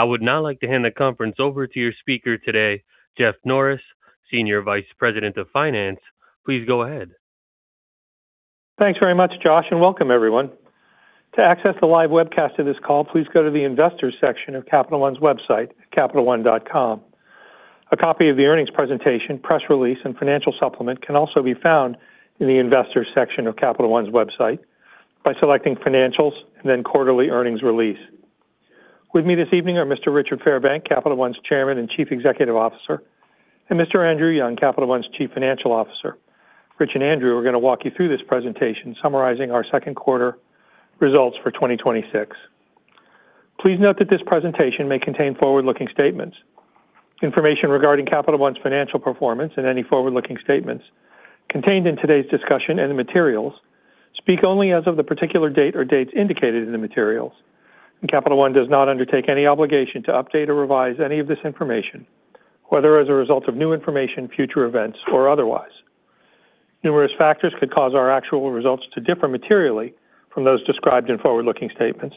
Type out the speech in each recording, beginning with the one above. I would now like to hand the conference over to your speaker today, Jeff Norris, Senior Vice President of Finance. Please go ahead. Thanks very much, Josh, and welcome everyone. To access the live webcast of this call, please go to the investors section of Capital One's website at capitalone.com. A copy of the earnings presentation, press release, and financial supplement can also be found in the investors section of Capital One's website by selecting financials and then quarterly earnings release. With me this evening are Mr. Richard Fairbank, Capital One's Chairman and Chief Executive Officer, and Mr. Andrew Young, Capital One's Chief Financial Officer. Rich and Andrew are going to walk you through this presentation summarizing our second quarter results for 2026. Please note that this presentation may contain forward-looking statements. Information regarding Capital One's financial performance and any forward-looking statements contained in today's discussion and the materials speak only as of the particular date or dates indicated in the materials. Capital One does not undertake any obligation to update or revise any of this information, whether as a result of new information, future events, or otherwise. Numerous factors could cause our actual results to differ materially from those described in forward-looking statements.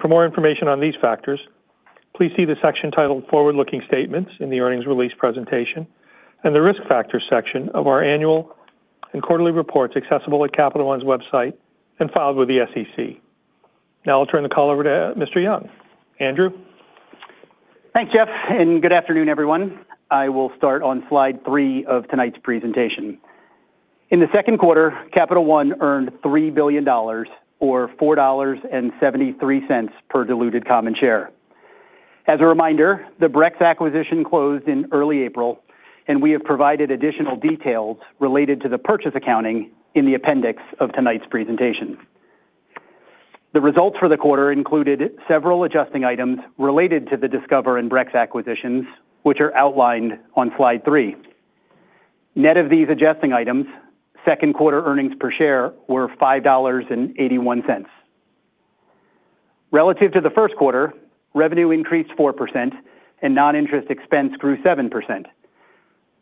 For more information on these factors, please see the section titled Forward-Looking Statements in the earnings release presentation and the Risk Factors section of our annual and quarterly reports accessible at Capital One's website and filed with the SEC. Now I'll turn the call over to Mr. Young. Andrew? Thanks, Jeff, and good afternoon, everyone. I will start on slide three of tonight's presentation. In the second quarter, Capital One earned $3 billion, or $4.73 per diluted common share. As a reminder, the Brex acquisition closed in early April, and we have provided additional details related to the purchase accounting in the appendix of tonight's presentation. The results for the quarter included several adjusting items related to the Discover and Brex acquisitions, which are outlined on slide three. Net of these adjusting items, second quarter earnings per share were $5.81. Relative to the first quarter, revenue increased 4% and non-interest expense grew 7%,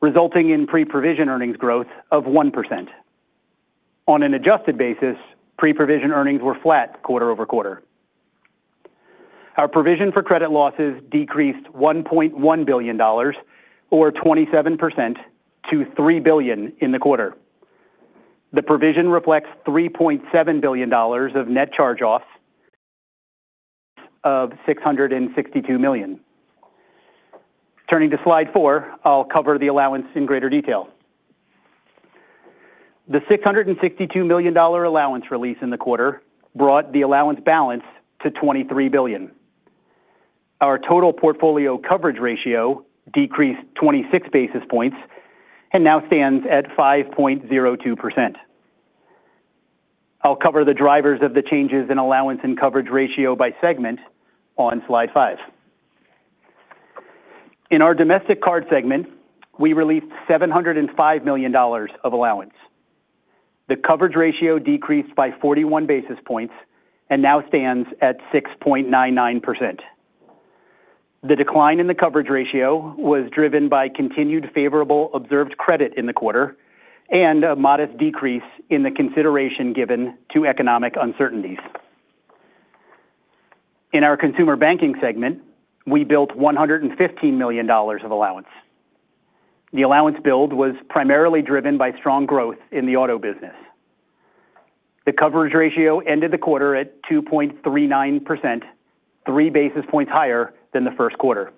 resulting in pre-provision earnings growth of 1%. On an adjusted basis, pre-provision earnings were flat quarter-over-quarter. Our provision for credit losses decreased $1.1 billion, or 27%, to $3 billion in the quarter. The provision reflects $3.7 billion of net charge-offs of $662 million. Turning to slide four, I'll cover the allowance in greater detail. The $662 million allowance release in the quarter brought the allowance balance to $23 billion. Our total portfolio coverage ratio decreased 26 basis points and now stands at 5.02%. I'll cover the drivers of the changes in allowance and coverage ratio by segment on slide five. In our domestic card segment, we released $705 million of allowance. The coverage ratio decreased by 41 basis points and now stands at 6.99%. The decline in the coverage ratio was driven by continued favorable observed credit in the quarter and a modest decrease in the consideration given to economic uncertainties. In our consumer banking segment, we built $115 million of allowance. The allowance build was primarily driven by strong growth in the auto business. The coverage ratio ended the quarter at 2.39%, three basis points higher than the first quarter.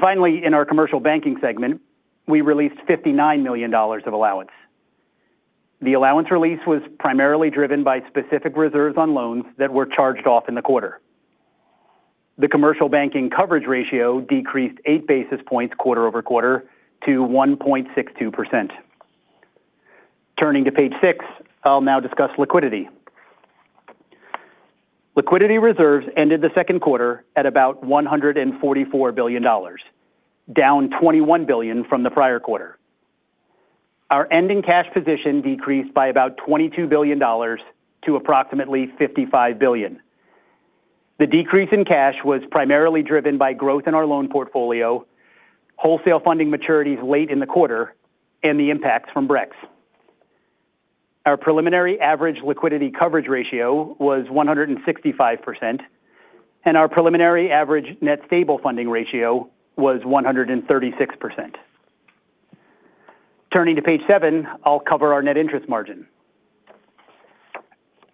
Finally, in our commercial banking segment, we released $59 million of allowance. The allowance release was primarily driven by specific reserves on loans that were charged off in the quarter. The commercial banking coverage ratio decreased eight basis points quarter-over-quarter to 1.62%. Turning to page six, I'll now discuss liquidity. Liquidity reserves ended the second quarter at about $144 billion, down $21 billion from the prior quarter. Our ending cash position decreased by about $22 billion to approximately $55 billion. The decrease in cash was primarily driven by growth in our loan portfolio, wholesale funding maturities late in the quarter, and the impacts from Brex. Our preliminary average liquidity coverage ratio was 165%, and our preliminary average net stable funding ratio was 136%. Turning to page seven, I'll cover our net interest margin.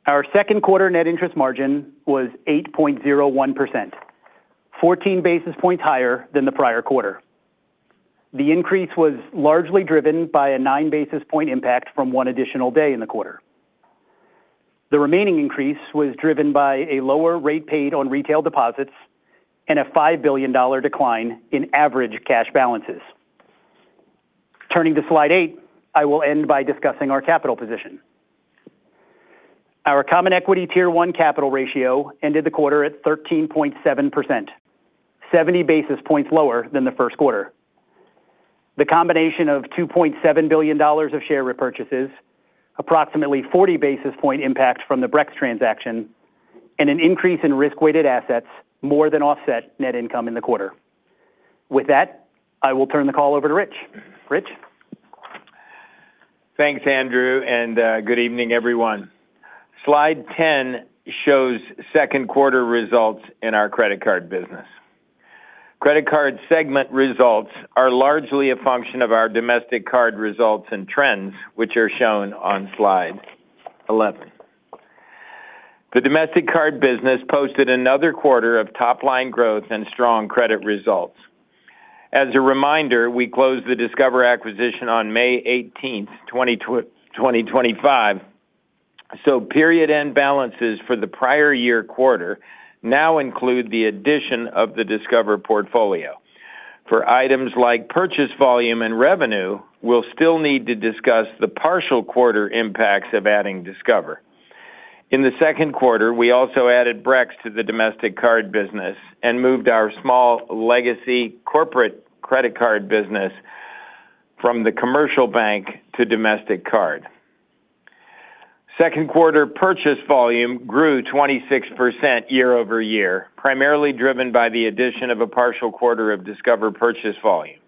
Our second quarter net interest margin was 8.01%, 14 basis points higher than the prior quarter. The increase was largely driven by a nine basis point impact from one additional day in the quarter. The remaining increase was driven by a lower rate paid on retail deposits and a $5 billion decline in average cash balances. Turning to slide eight, I will end by discussing our capital position. Our common equity Tier 1 capital ratio ended the quarter at 13.7%, 70 basis points lower than the first quarter. The combination of $2.7 billion of share repurchases, approximately 40 basis point impact from the Brex transaction. An increase in risk-weighted assets more than offset net income in the quarter. With that, I will turn the call over to Rich. Rich? Thanks, Andrew, and good evening, everyone. Slide 10 shows second quarter results in our credit card business. Credit card segment results are largely a function of our domestic card results and trends, which are shown on slide 11. The domestic card business posted another quarter of top-line growth and strong credit results. As a reminder, we closed the Discover acquisition on May 18, 2025, so period-end balances for the prior year quarter now include the addition of the Discover portfolio. For items like purchase volume and revenue, we'll still need to discuss the partial quarter impacts of adding Discover. In the second quarter, we also added Brex to the domestic card business and moved our small legacy corporate credit card business from the commercial bank to domestic card. Second quarter purchase volume grew 26% year-over-year, primarily driven by the addition of a partial quarter of Discover purchase volume.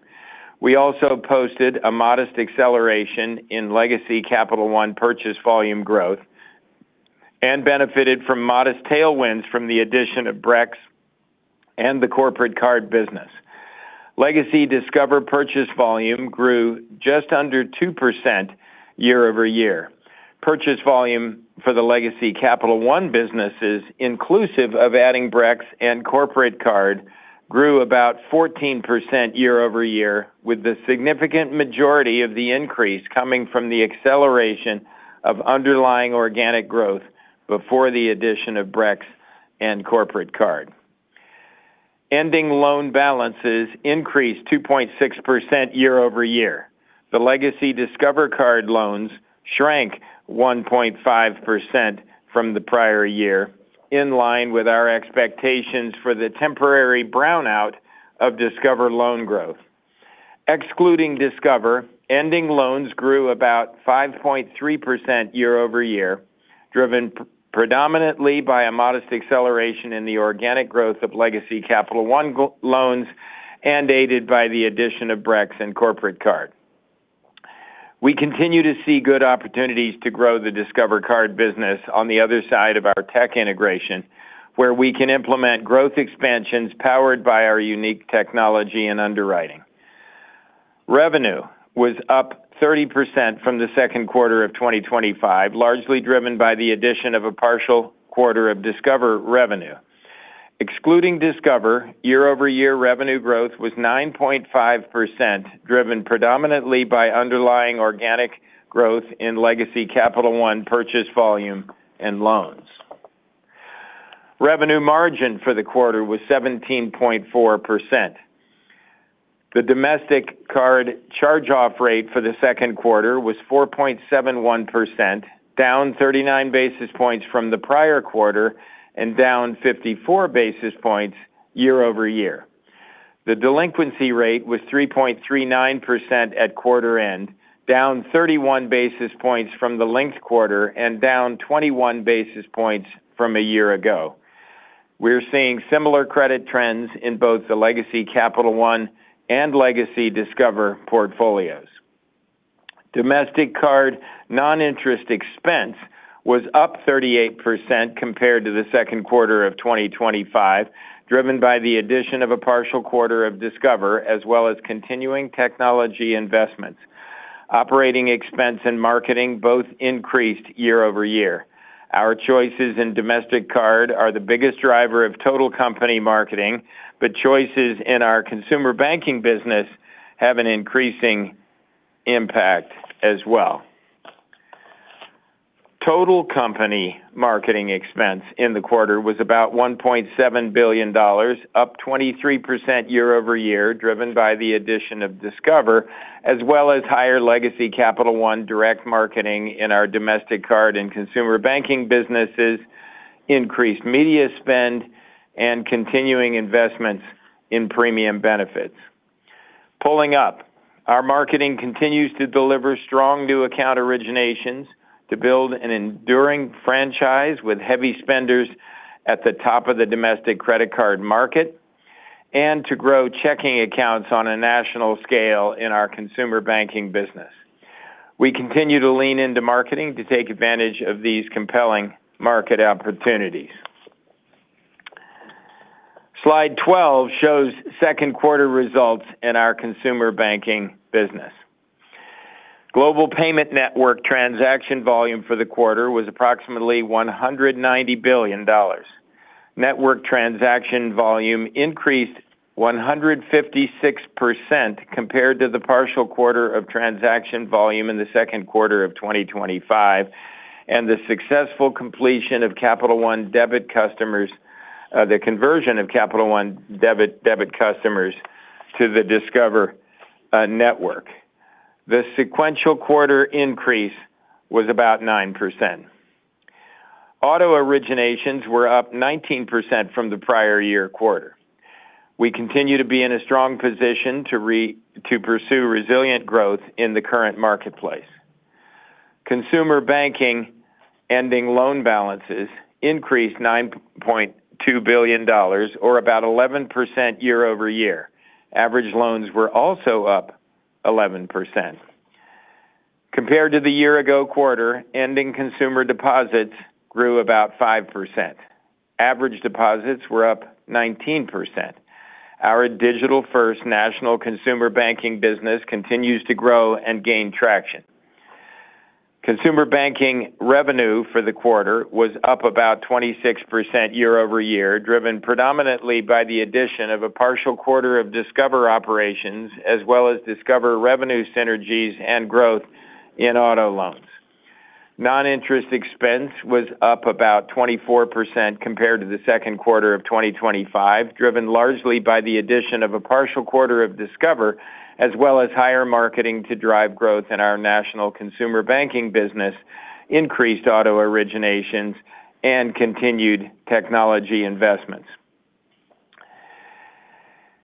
We also posted a modest acceleration in legacy Capital One purchase volume growth and benefited from modest tailwinds from the addition of Brex and the corporate card business. Legacy Discover purchase volume grew just under 2% year-over-year. Purchase volume for the legacy Capital One businesses, inclusive of adding Brex and corporate card, grew about 14% year-over-year, with the significant majority of the increase coming from the acceleration of underlying organic growth before the addition of Brex and corporate card. Ending loan balances increased 2.6% year-over-year. The legacy Discover card loans shrank 1.5% from the prior year, in line with our expectations for the temporary brownout of Discover loan growth. Excluding Discover, ending loans grew about 5.3% year-over-year, driven predominantly by a modest acceleration in the organic growth of legacy Capital One loans and aided by the addition of Brex and corporate card. We continue to see good opportunities to grow the Discover card business on the other side of our tech integration, where we can implement growth expansions powered by our unique technology and underwriting. Revenue was up 30% from the second quarter of 2025, largely driven by the addition of a partial quarter of Discover revenue. Excluding Discover, year-over-year revenue growth was 9.5%, driven predominantly by underlying organic growth in legacy Capital One purchase volume and loans. Revenue margin for the quarter was 17.4%. The domestic card charge-off rate for the second quarter was 4.71%, down 39 basis points from the prior quarter and down 54 basis points year-over-year. The delinquency rate was 3.39% at quarter end, down 31 basis points from the linked quarter and down 21 basis points from a year ago. We're seeing similar credit trends in both the legacy Capital One and legacy Discover portfolios. Domestic card non-interest expense was up 38% compared to the second quarter of 2025, driven by the addition of a partial quarter of Discover as well as continuing technology investments. Operating expense and marketing both increased year-over-year. Our choices in domestic card are the biggest driver of total company marketing, but choices in our consumer banking business have an increasing impact as well. Total company marketing expense in the quarter was about $1.7 billion, up 23% year-over-year, driven by the addition of Discover as well as higher legacy Capital One direct marketing in our domestic card and consumer banking businesses, increased media spend, and continuing investments in premium benefits. Pulling up, our marketing continues to deliver strong new account originations to build an enduring franchise with heavy spenders at the top of the domestic credit card market and to grow checking accounts on a national scale in our consumer banking business. We continue to lean into marketing to take advantage of these compelling market opportunities. Slide 12 shows second quarter results in our consumer banking business. Global payment network transaction volume for the quarter was approximately $190 billion. Network transaction volume increased 156% compared to the partial quarter of transaction volume in the second quarter of 2025 and the successful completion of the conversion of Capital One debit customers to the Discover Network. The sequential quarter increase was about 9%. Auto originations were up 19% from the prior year quarter. We continue to be in a strong position to pursue resilient growth in the current marketplace. Consumer banking ending loan balances increased $9.2 billion or about 11% year over year. Average loans were also up 11%. Compared to the year ago quarter, ending consumer deposits grew about 5%. Average deposits were up 19%. Our digital-first national consumer banking business continues to grow and gain traction. Consumer banking revenue for the quarter was up about 26% year over year, driven predominantly by the addition of a partial quarter of Discover operations, as well as Discover revenue synergies and growth in auto loans. Non-interest expense was up about 24% compared to the second quarter of 2025, driven largely by the addition of a partial quarter of Discover, as well as higher marketing to drive growth in our national consumer banking business, increased auto originations, and continued technology investments.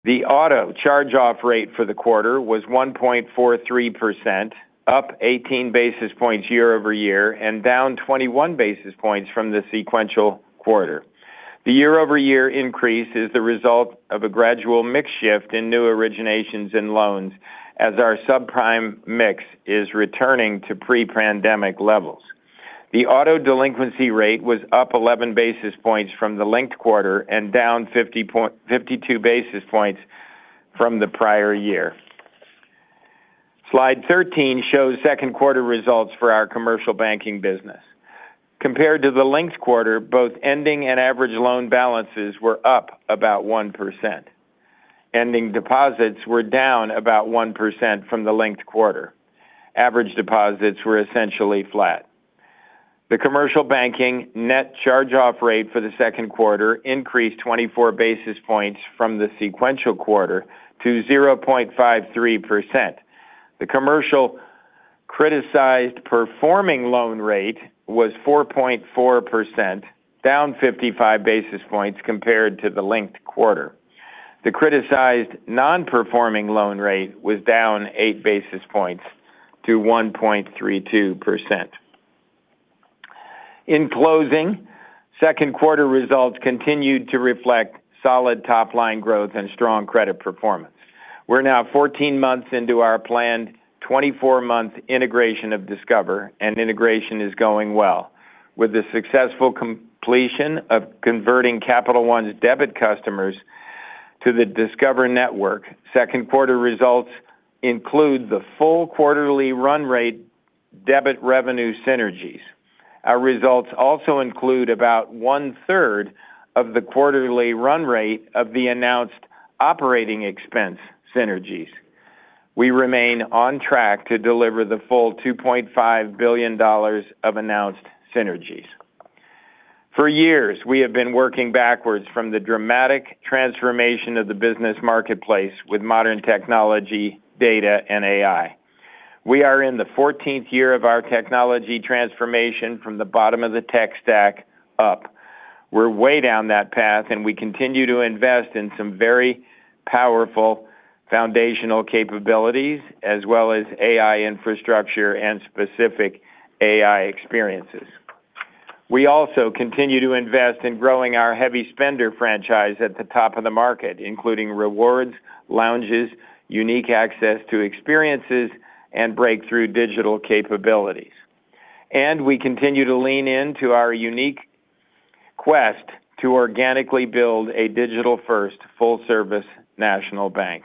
The auto charge-off rate for the quarter was 1.43%, up 18 basis points year-over-year and down 21 basis points from the sequential quarter. The year-over-year increase is the result of a gradual mix shift in new originations and loans as our subprime mix is returning to pre-pandemic levels. The auto delinquency rate was up 11 basis points from the linked quarter and down 52 basis points from the prior year. Slide 13 shows second quarter results for our commercial banking business. Compared to the linked quarter, both ending and average loan balances were up about 1%. Ending deposits were down about 1% from the linked quarter. Average deposits were essentially flat. The commercial banking net charge-off rate for the second quarter increased 24 basis points from the sequential quarter to 0.53%. The commercial criticized performing loan rate was 4.4%, down 55 basis points compared to the linked quarter. The criticized non-performing loan rate was down eight basis points to 1.32%. In closing, second quarter results continued to reflect solid top-line growth and strong credit performance. We're now 14 months into our planned 24-month integration of Discover, and integration is going well. With the successful completion of converting Capital One's debit customers to the Discover network, second quarter results include the full quarterly run rate debit revenue synergies. Our results also include about one-third of the quarterly run rate of the announced operating expense synergies. We remain on track to deliver the full $2.5 billion of announced synergies. For years, we have been working backwards from the dramatic transformation of the business marketplace with modern technology, data, and AI. We are in the 14th year of our technology transformation from the bottom of the tech stack up. We're way down that path, and we continue to invest in some very powerful foundational capabilities, as well as AI infrastructure and specific AI experiences. We also continue to invest in growing our heavy spender franchise at the top of the market, including rewards, lounges, unique access to experiences, and breakthrough digital capabilities. We continue to lean into our unique quest to organically build a digital-first, full-service national bank.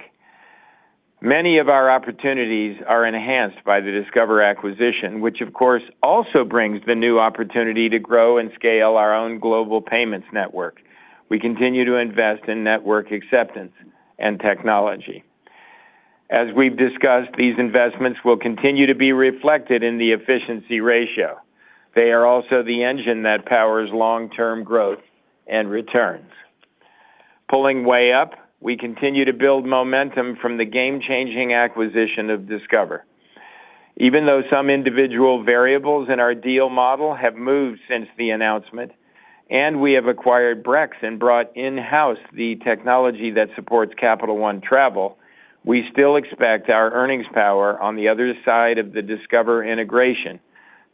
Many of our opportunities are enhanced by the Discover acquisition, which of course, also brings the new opportunity to grow and scale our own global payments network. We continue to invest in network acceptance and technology. As we've discussed, these investments will continue to be reflected in the efficiency ratio. They are also the engine that powers long-term growth and returns. Pulling way up, we continue to build momentum from the game-changing acquisition of Discover. Even though some individual variables in our deal model have moved since the announcement, we have acquired Brex and brought in-house the technology that supports Capital One Travel, we still expect our earnings power on the other side of the Discover integration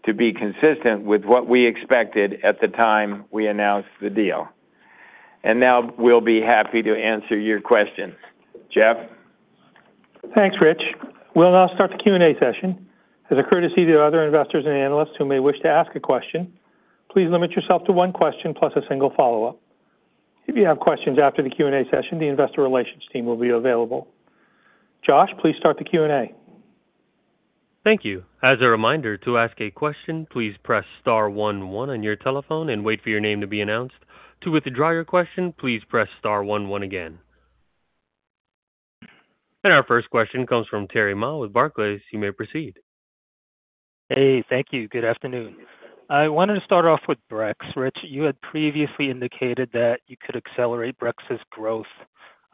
to be consistent with what we expected at the time we announced the deal. Now we'll be happy to answer your questions. Jeff? Thanks, Rich. We'll now start the Q&A session. As a courtesy to other investors and analysts who may wish to ask a question, please limit yourself to one question plus a single follow-up. If you have questions after the Q&A session, the investor relations team will be available. Josh, please start the Q&A. Thank you. As a reminder, to ask a question, please press star one one on your telephone and wait for your name to be announced. To withdraw your question, please press star one one again. Our first question comes from Terry Ma with Barclays. You may proceed. Hey, thank you. Good afternoon. I wanted to start off with Brex. Rich, you had previously indicated that you could accelerate Brex's growth,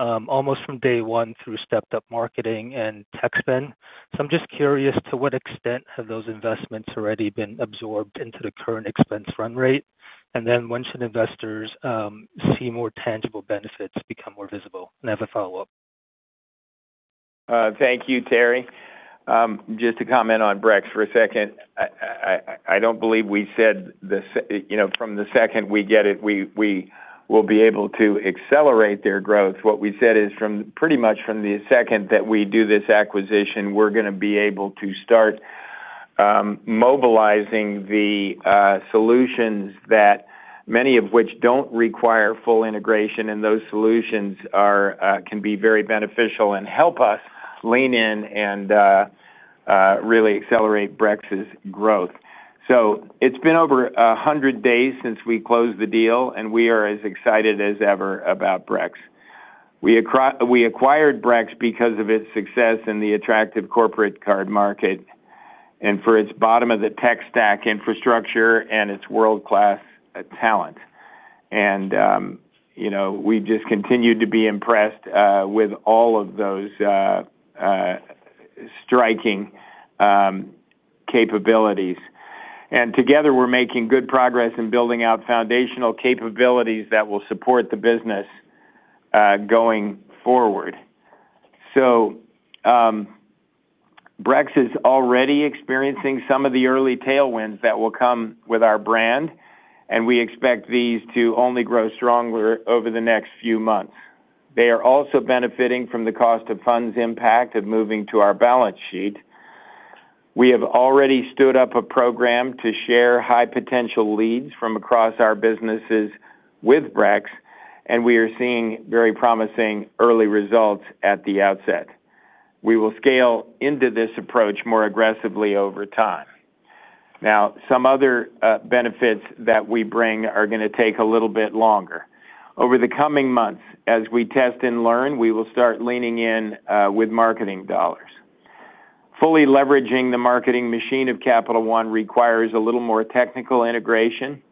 almost from day one through stepped-up marketing and tech spend. I'm just curious to what extent have those investments already been absorbed into the current expense run rate? Then once investors see more tangible benefits become more visible. I have a follow-up. Thank you, Terry. Just to comment on Brex for a second. I don't believe we said from the second we get it, we will be able to accelerate their growth. What we said is pretty much from the second that we do this acquisition, we're going to be able to start mobilizing the solutions that many of which don't require full integration, and those solutions can be very beneficial and help us lean in and really accelerate Brex's growth. It's been over 100 days since we closed the deal, and we are as excited as ever about Brex. We acquired Brex because of its success in the attractive corporate card market and for its bottom-of-the-tech stack infrastructure and its world-class talent. We just continue to be impressed with all of those striking capabilities. Together, we're making good progress in building out foundational capabilities that will support the business going forward. Brex is already experiencing some of the early tailwinds that will come with our brand, and we expect these to only grow stronger over the next few months. They are also benefiting from the cost of funds impact of moving to our balance sheet. We have already stood up a program to share high potential leads from across our businesses with Brex, and we are seeing very promising early results at the outset. We will scale into this approach more aggressively over time. Some other benefits that we bring are going to take a little bit longer. Over the coming months, as we test and learn, we will start leaning in with marketing dollars. Fully leveraging the marketing machine of Capital One requires a little more technical integration.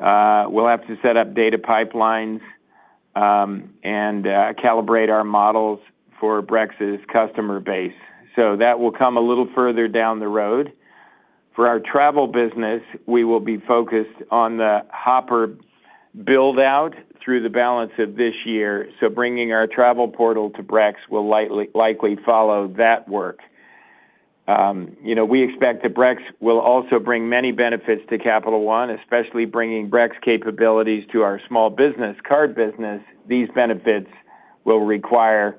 We'll have to set up data pipelines and calibrate our models for Brex's customer base. That will come a little further down the road. For our travel business, we will be focused on the Hopper build-out through the balance of this year, so bringing our travel portal to Brex will likely follow that work. We expect that Brex will also bring many benefits to Capital One, especially bringing Brex capabilities to our small business card business. These benefits will require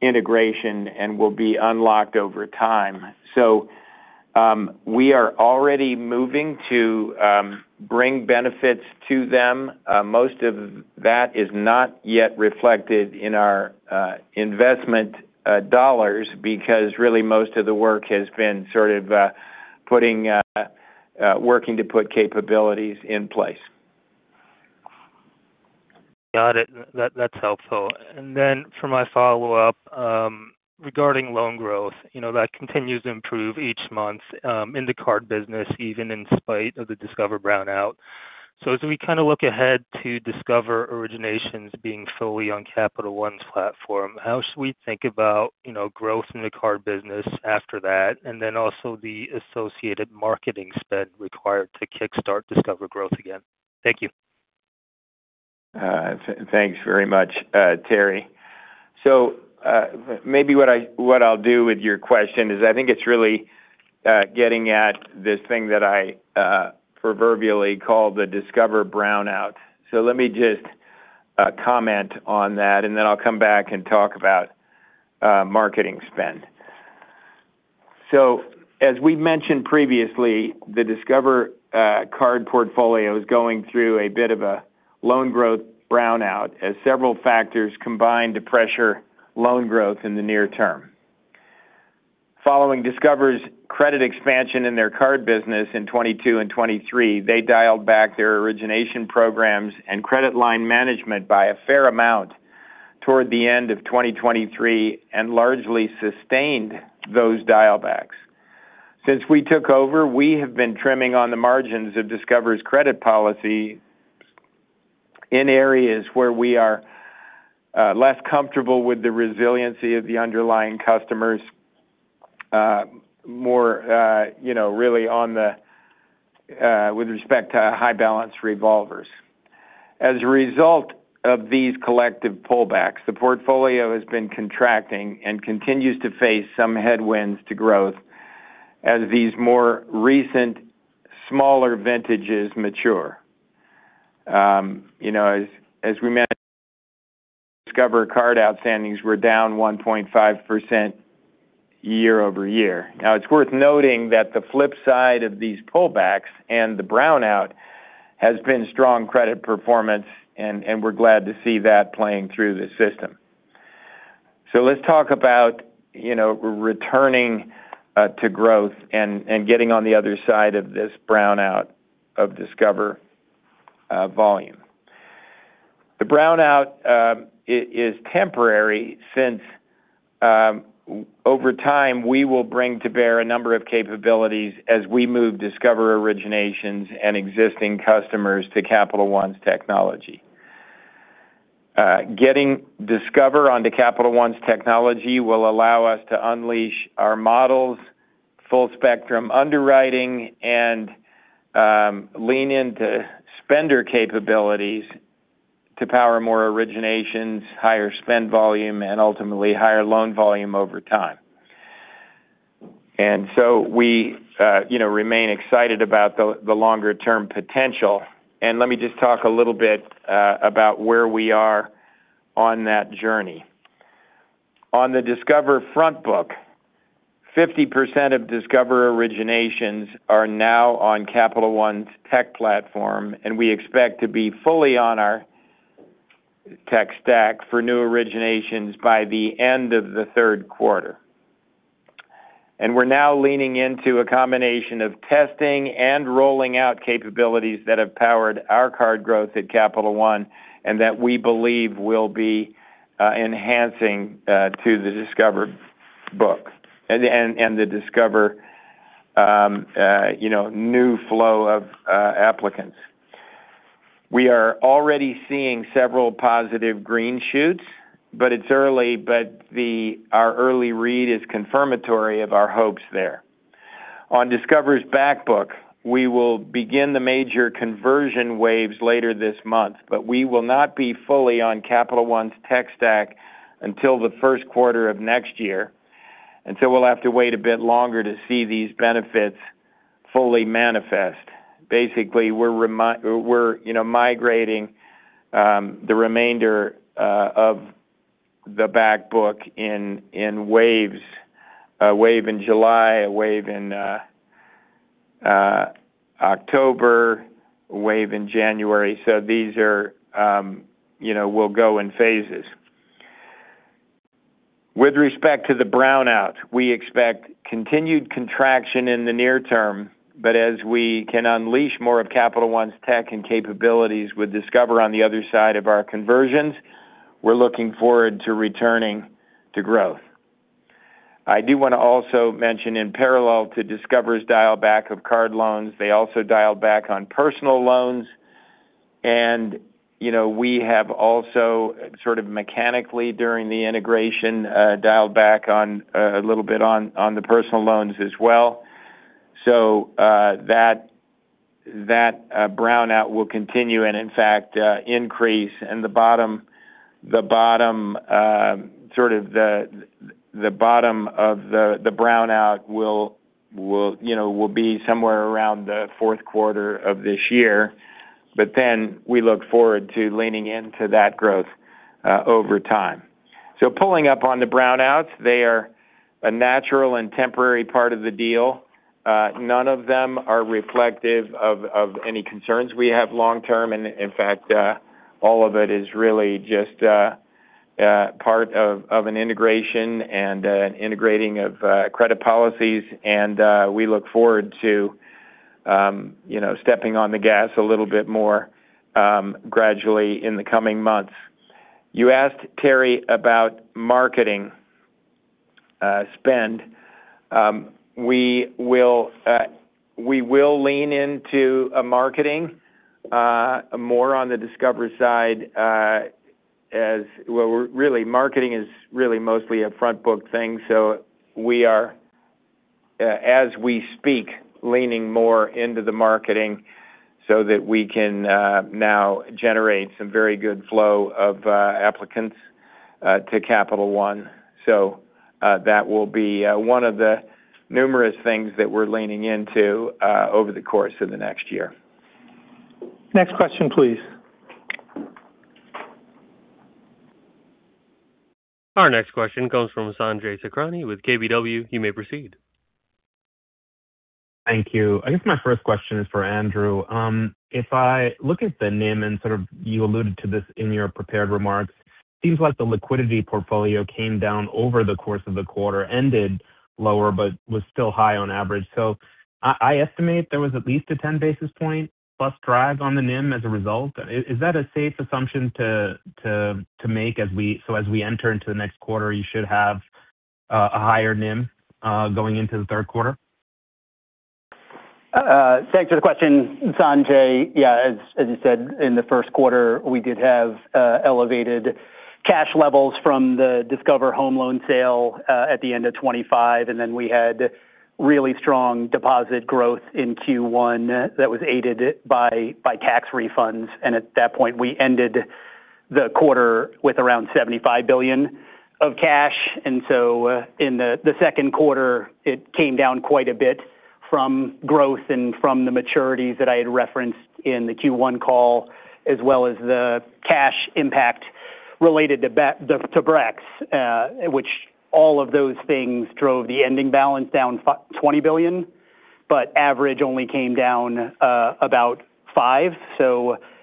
integration and will be unlocked over time. We are already moving to bring benefits to them. Most of that is not yet reflected in our investment dollars because really most of the work has been sort of working to put capabilities in place. Got it. That's helpful. For my follow-up, regarding loan growth, that continues to improve each month in the card business, even in spite of the Discover brownout. As we kind of look ahead to Discover originations being fully on Capital One's platform, how should we think about growth in the card business after that, and then also the associated marketing spend required to kickstart Discover growth again? Thank you. Thanks very much, Terry. Maybe what I'll do with your question is I think it's really getting at this thing that I proverbially call the Discover brownout. Let me just comment on that, then I'll come back and talk about marketing spend. As we mentioned previously, the Discover card portfolio is going through a bit of a loan growth brownout as several factors combine to pressure loan growth in the near term. Following Discover's credit expansion in their card business in 2022 and 2023, they dialed back their origination programs and credit line management by a fair amount toward the end of 2023 and largely sustained those dial backs. Since we took over, we have been trimming on the margins of Discover's credit policy in areas where we are less comfortable with the resiliency of the underlying customers more really with respect to high balance revolvers. As a result of these collective pullbacks, the portfolio has been contracting and continues to face some headwinds to growth as these more recent smaller vintages mature. As we mentioned, Discover card outstandings were down 1.5% year-over-year. It's worth noting that the flip side of these pullbacks and the brownout has been strong credit performance, and we're glad to see that playing through the system. Let's talk about returning to growth and getting on the other side of this brownout of Discover volume. The brownout is temporary since over time, we will bring to bear a number of capabilities as we move Discover originations and existing customers to Capital One's technology. Getting Discover onto Capital One's technology will allow us to unleash our models Full spectrum underwriting and lean into spender capabilities to power more originations, higher spend volume, and ultimately higher loan volume over time. We remain excited about the longer-term potential. Let me just talk a little bit about where we are on that journey. On the Discover front book, 50% of Discover originations are now on Capital One's tech platform, and we expect to be fully on our tech stack for new originations by the end of the third quarter. We're now leaning into a combination of testing and rolling out capabilities that have powered our card growth at Capital One and that we believe will be enhancing to the Discover books and the Discover new flow of applicants. We are already seeing several positive green shoots, but it's early, but our early read is confirmatory of our hopes there. On Discover's back book, we will begin the major conversion waves later this month, but we will not be fully on Capital One's tech stack until the first quarter of next year. We'll have to wait a bit longer to see these benefits fully manifest. Basically, we're migrating the remainder of the back book in waves. A wave in July, a wave in October, a wave in January. These will go in phases. With respect to the brownout, we expect continued contraction in the near term, but as we can unleash more of Capital One's tech and capabilities with Discover on the other side of our conversions, we're looking forward to returning to growth. I do want to also mention, in parallel to Discover's dial back of card loans, they also dial back on personal loans, and we have also sort of mechanically during the integration, dialed back a little bit on the personal loans as well. That brownout will continue and in fact, increase. The bottom of the brownout will be somewhere around the fourth quarter of this year. We look forward to leaning into that growth over time. Pulling up on the brownouts, they are a natural and temporary part of the deal. None of them are reflective of any concerns we have long term. In fact, all of it is really just part of an integration and integrating of credit policies. We look forward to stepping on the gas a little bit more gradually in the coming months. You asked, Terry, about marketing spend. We will lean into marketing more on the Discover side well, marketing is really mostly a front book thing, so we are, as we speak, leaning more into the marketing so that we can now generate some very good flow of applicants to Capital One. That will be one of the numerous things that we're leaning into over the course of the next year. Next question, please. Our next question comes from Sanjay Sakhrani with KBW. You may proceed. Thank you. I guess my first question is for Andrew. If I look at the NIM and sort of you alluded to this in your prepared remarks, seems like the liquidity portfolio came down over the course of the quarter, ended lower, but was still high on average. I estimate there was at least a 10 basis point plus drag on the NIM as a result. Is that a safe assumption to make as we enter into the next quarter, you should have a higher NIM going into the third quarter? Thanks for the question, Sanjay. Yeah, as you said, in the first quarter, we did have elevated cash levels from the Discover Home Loans sale at the end of 2025, then we had really strong deposit growth in Q1 that was aided by tax refunds. At that point, we ended the quarter with around $75 billion of cash. In the second quarter, it came down quite a bit from growth and from the maturities that I had referenced in the Q1 call, as well as the cash impact related to Brex, which all of those things drove the ending balance down $20 billion, but average only came down about five.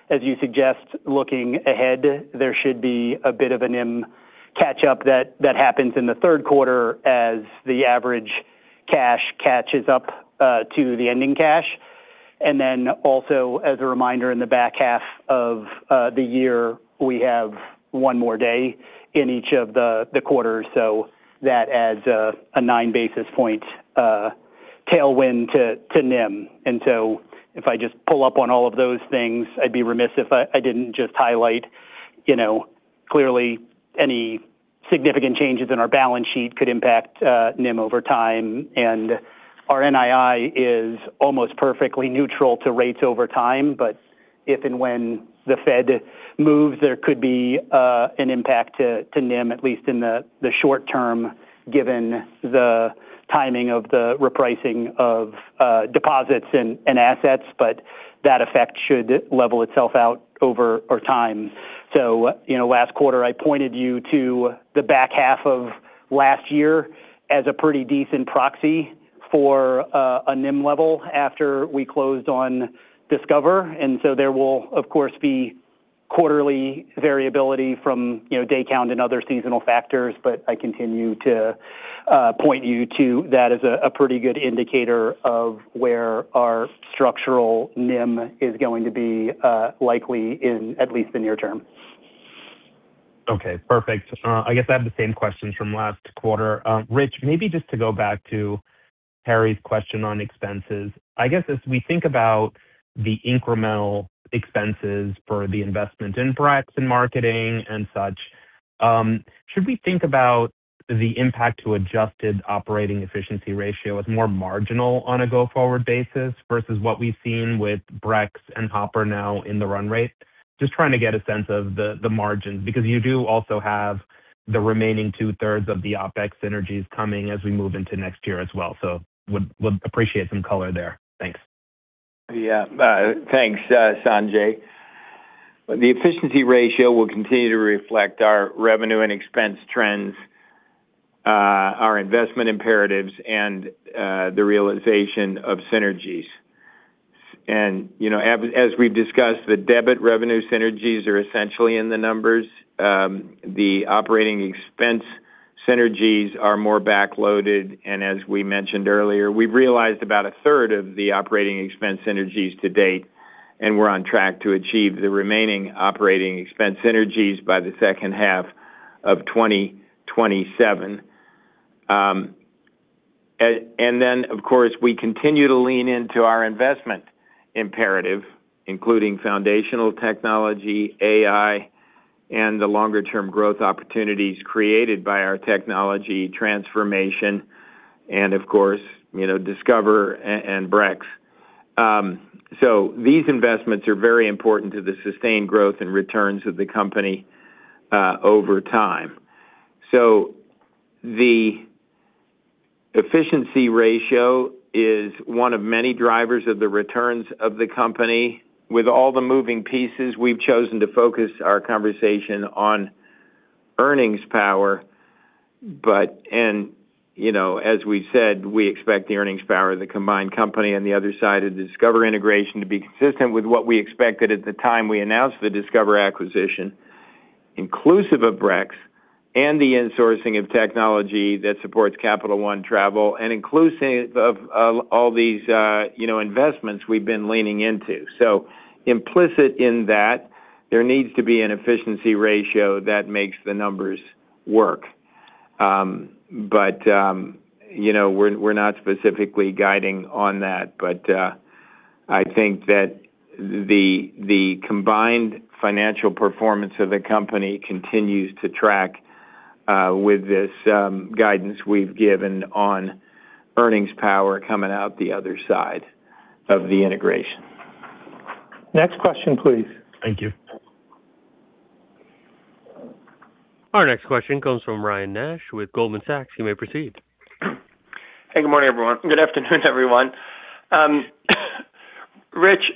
As you suggest, looking ahead, there should be a bit of a NIM catch up that happens in the third quarter as the average cash catches up to the ending cash. Also as a reminder, in the back half of the year, we have one more day in each of the quarters. That adds a nine basis point tailwind to NIM. If I just pull up on all of those things, I'd be remiss if I didn't just highlight. Clearly, any significant changes in our balance sheet could impact NIM over time, and our NII is almost perfectly neutral to rates over time. If and when the Fed moves, there could be an impact to NIM, at least in the short term, given the timing of the repricing of deposits and assets, that effect should level itself out over time. Last quarter, I pointed you to the back half of last year as a pretty decent proxy for a NIM level after we closed on Discover. There will, of course, be quarterly variability from day count and other seasonal factors. I continue to point you to that as a pretty good indicator of where our structural NIM is going to be likely in at least the near term. Okay, perfect. I guess I have the same questions from last quarter. Rich, maybe just to go back to Terry's question on expenses. I guess as we think about the incremental expenses for the investment in Brex and marketing and such, should we think about the impact to adjusted operating efficiency ratio as more marginal on a go-forward basis versus what we've seen with Brex and Hopper now in the run rate? Just trying to get a sense of the margins, because you do also have the remaining two-thirds of the OPEX synergies coming as we move into next year as well. Would appreciate some color there. Thanks. Yeah. Thanks, Sanjay. The efficiency ratio will continue to reflect our revenue and expense trends, our investment imperatives, and the realization of synergies. As we've discussed, the debit revenue synergies are essentially in the numbers. The operating expense synergies are more back-loaded, and as we mentioned earlier, we've realized about a third of the operating expense synergies to date, and we're on track to achieve the remaining operating expense synergies by the second half of 2027. Of course, we continue to lean into our investment imperative, including foundational technology, AI, and the longer-term growth opportunities created by our technology transformation, and of course, Discover and Brex. These investments are very important to the sustained growth and returns of the company over time. The efficiency ratio is one of many drivers of the returns of the company. With all the moving pieces, we've chosen to focus our conversation on earnings power. As we said, we expect the earnings power of the combined company on the other side of the Discover integration to be consistent with what we expected at the time we announced the Discover acquisition, inclusive of Brex and the insourcing of technology that supports Capital One Travel and inclusive of all these investments we've been leaning into. Implicit in that, there needs to be an efficiency ratio that makes the numbers work. We're not specifically guiding on that, I think that the combined financial performance of the company continues to track with this guidance we've given on earnings power coming out the other side of the integration. Next question, please. Thank you. Our next question comes from Ryan Nash with Goldman Sachs. You may proceed. Hey, good morning, everyone. Good afternoon, everyone. Rich,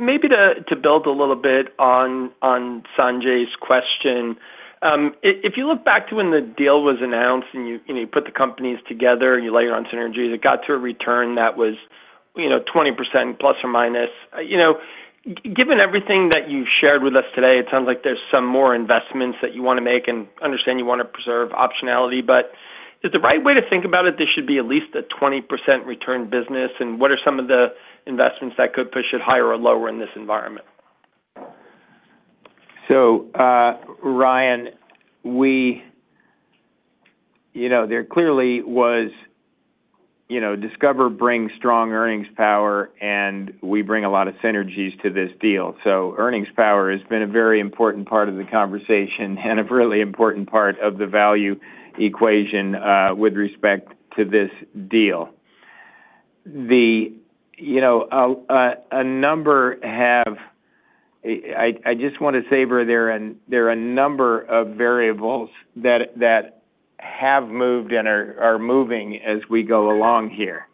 maybe to build a little bit on Sanjay's question. If you look back to when the deal was announced and you put the companies together and you layer on synergies, it got to a return that was 20% ±. Given everything that you've shared with us today, it sounds like there's some more investments that you want to make, and understand you want to preserve optionality. Is the right way to think about it, this should be at least a 20% return business? And what are some of the investments that could push it higher or lower in this environment? Ryan, Discover brings strong earnings power, and we bring a lot of synergies to this deal. Earnings power has been a very important part of the conversation and a really important part of the value equation with respect to this deal. I just want to savor, there are a number of variables that have moved and are moving as we go along here.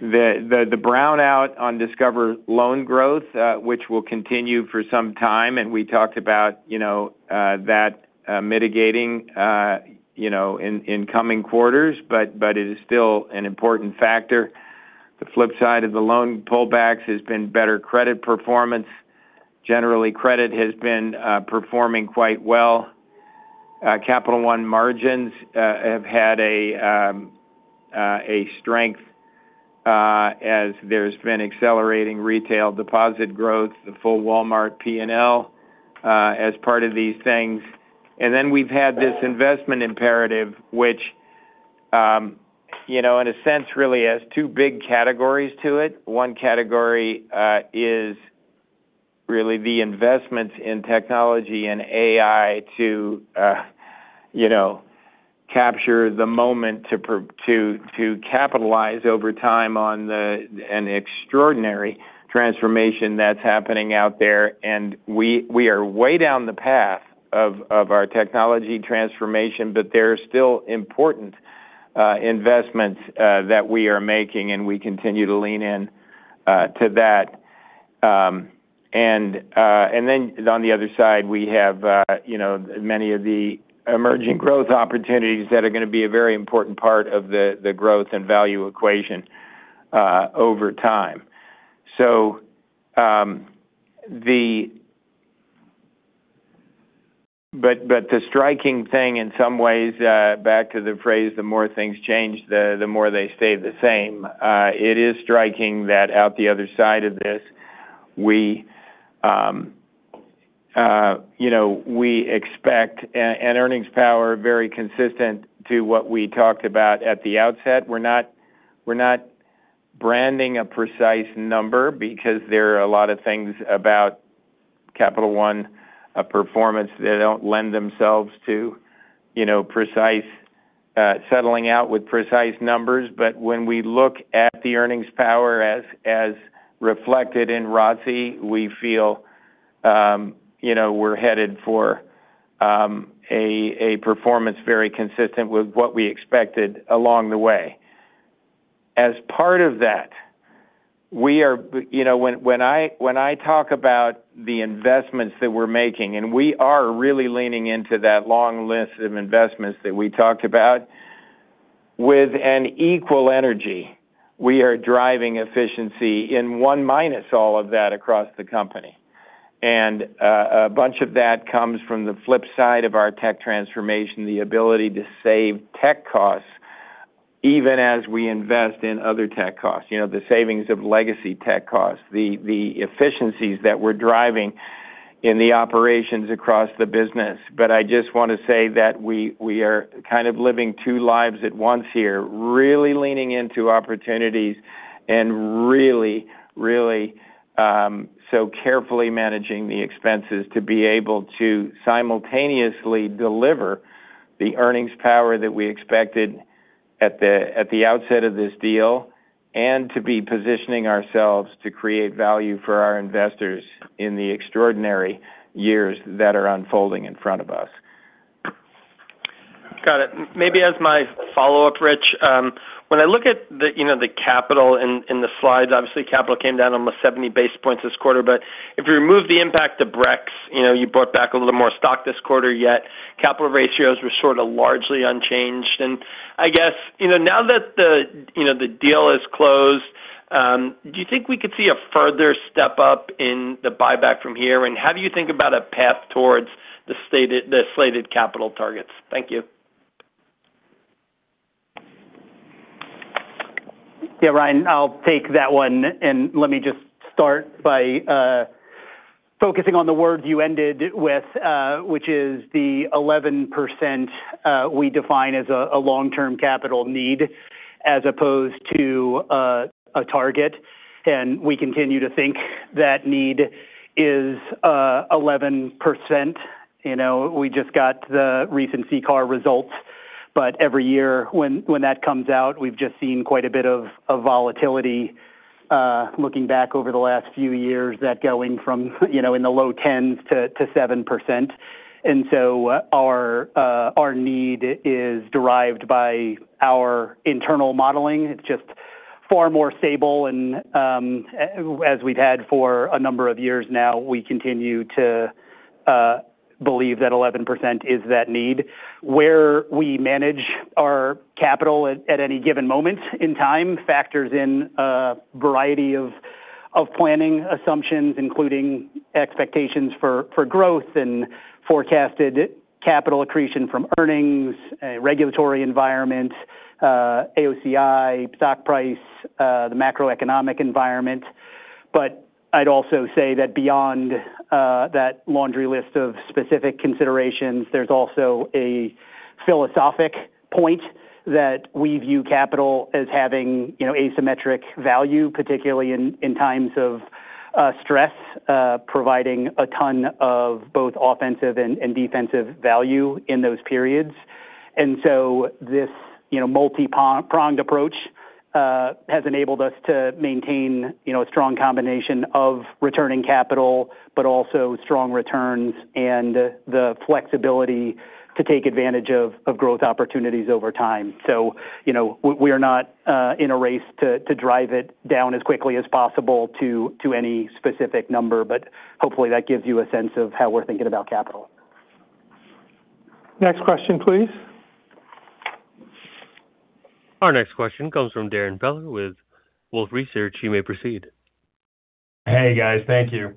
The brown out on Discover loan growth which will continue for some time, and we talked about that mitigating in coming quarters, but it is still an important factor. The flip side of the loan pullbacks has been better credit performance. Generally, credit has been performing quite well. Capital One margins have had a strength as there's been accelerating retail deposit growth, the full Walmart P&L as part of these things. We've had this investment imperative, which in a sense, really has two big categories to it. One category is really the investments in technology and AI to capture the moment to capitalize over time on an extraordinary transformation that's happening out there. We are way down the path of our technology transformation, but there are still important investments that we are making, and we continue to lean in to that. On the other side, we have many of the emerging growth opportunities that are going to be a very important part of the growth and value equation over time. The striking thing, in some ways, back to the phrase, the more things change, the more they stay the same. It is striking that out the other side of this, we expect an earnings power very consistent to what we talked about at the outset. We're not branding a precise number because there are a lot of things about Capital One performance that don't lend themselves to settling out with precise numbers. When we look at the earnings power as reflected in ROSI, we feel we're headed for a performance very consistent with what we expected along the way. As part of that, when I talk about the investments that we're making, and we are really leaning into that long list of investments that we talked about. With an equal energy, we are driving efficiency in one minus all of that across the company. A bunch of that comes from the flip side of our tech transformation, the ability to save tech costs even as we invest in other tech costs. The savings of legacy tech costs, the efficiencies that we're driving in the operations across the business. I just want to say that we are kind of living two lives at once here. Really leaning into opportunities and really so carefully managing the expenses to be able to simultaneously deliver the earnings power that we expected at the outset of this deal, and to be positioning ourselves to create value for our investors in the extraordinary years that are unfolding in front of us. Got it. Maybe as my follow-up, Rich. When I look at the capital in the slides, obviously capital came down almost 70 basis points this quarter. If you remove the impact of Brex, you brought back a little more stock this quarter, yet capital ratios were sort of largely unchanged. I guess, now that the deal is closed, do you think we could see a further step up in the buyback from here? How do you think about a path towards the slated capital targets? Thank you. Yeah, Ryan, I'll take that one. Let me just start by focusing on the words you ended with, which is the 11% we define as a long-term capital need as opposed to a target. We continue to think that need is 11%. We just got the recent CCAR results. Every year when that comes out, we've just seen quite a bit of volatility looking back over the last few years, that going from in the low tens to 7%. Our need is derived by our internal modeling. It's just far more stable and as we've had for a number of years now, we continue to believe that 11% is that need. Where we manage our capital at any given moment in time factors in a variety of planning assumptions, including expectations for growth and forecasted capital accretion from earnings, regulatory environment, AOCI, stock price, the macroeconomic environment. I'd also say that beyond that laundry list of specific considerations, there's also a philosophic point that we view capital as having asymmetric value, particularly in times of stress, providing a ton of both offensive and defensive value in those periods. This multi-pronged approach has enabled us to maintain a strong combination of returning capital, but also strong returns and the flexibility to take advantage of growth opportunities over time. We are not in a race to drive it down as quickly as possible to any specific number, but hopefully that gives you a sense of how we're thinking about capital. Next question, please. Our next question comes from Darrin Peller with Wolfe Research. You may proceed. Hey, guys. Thank you.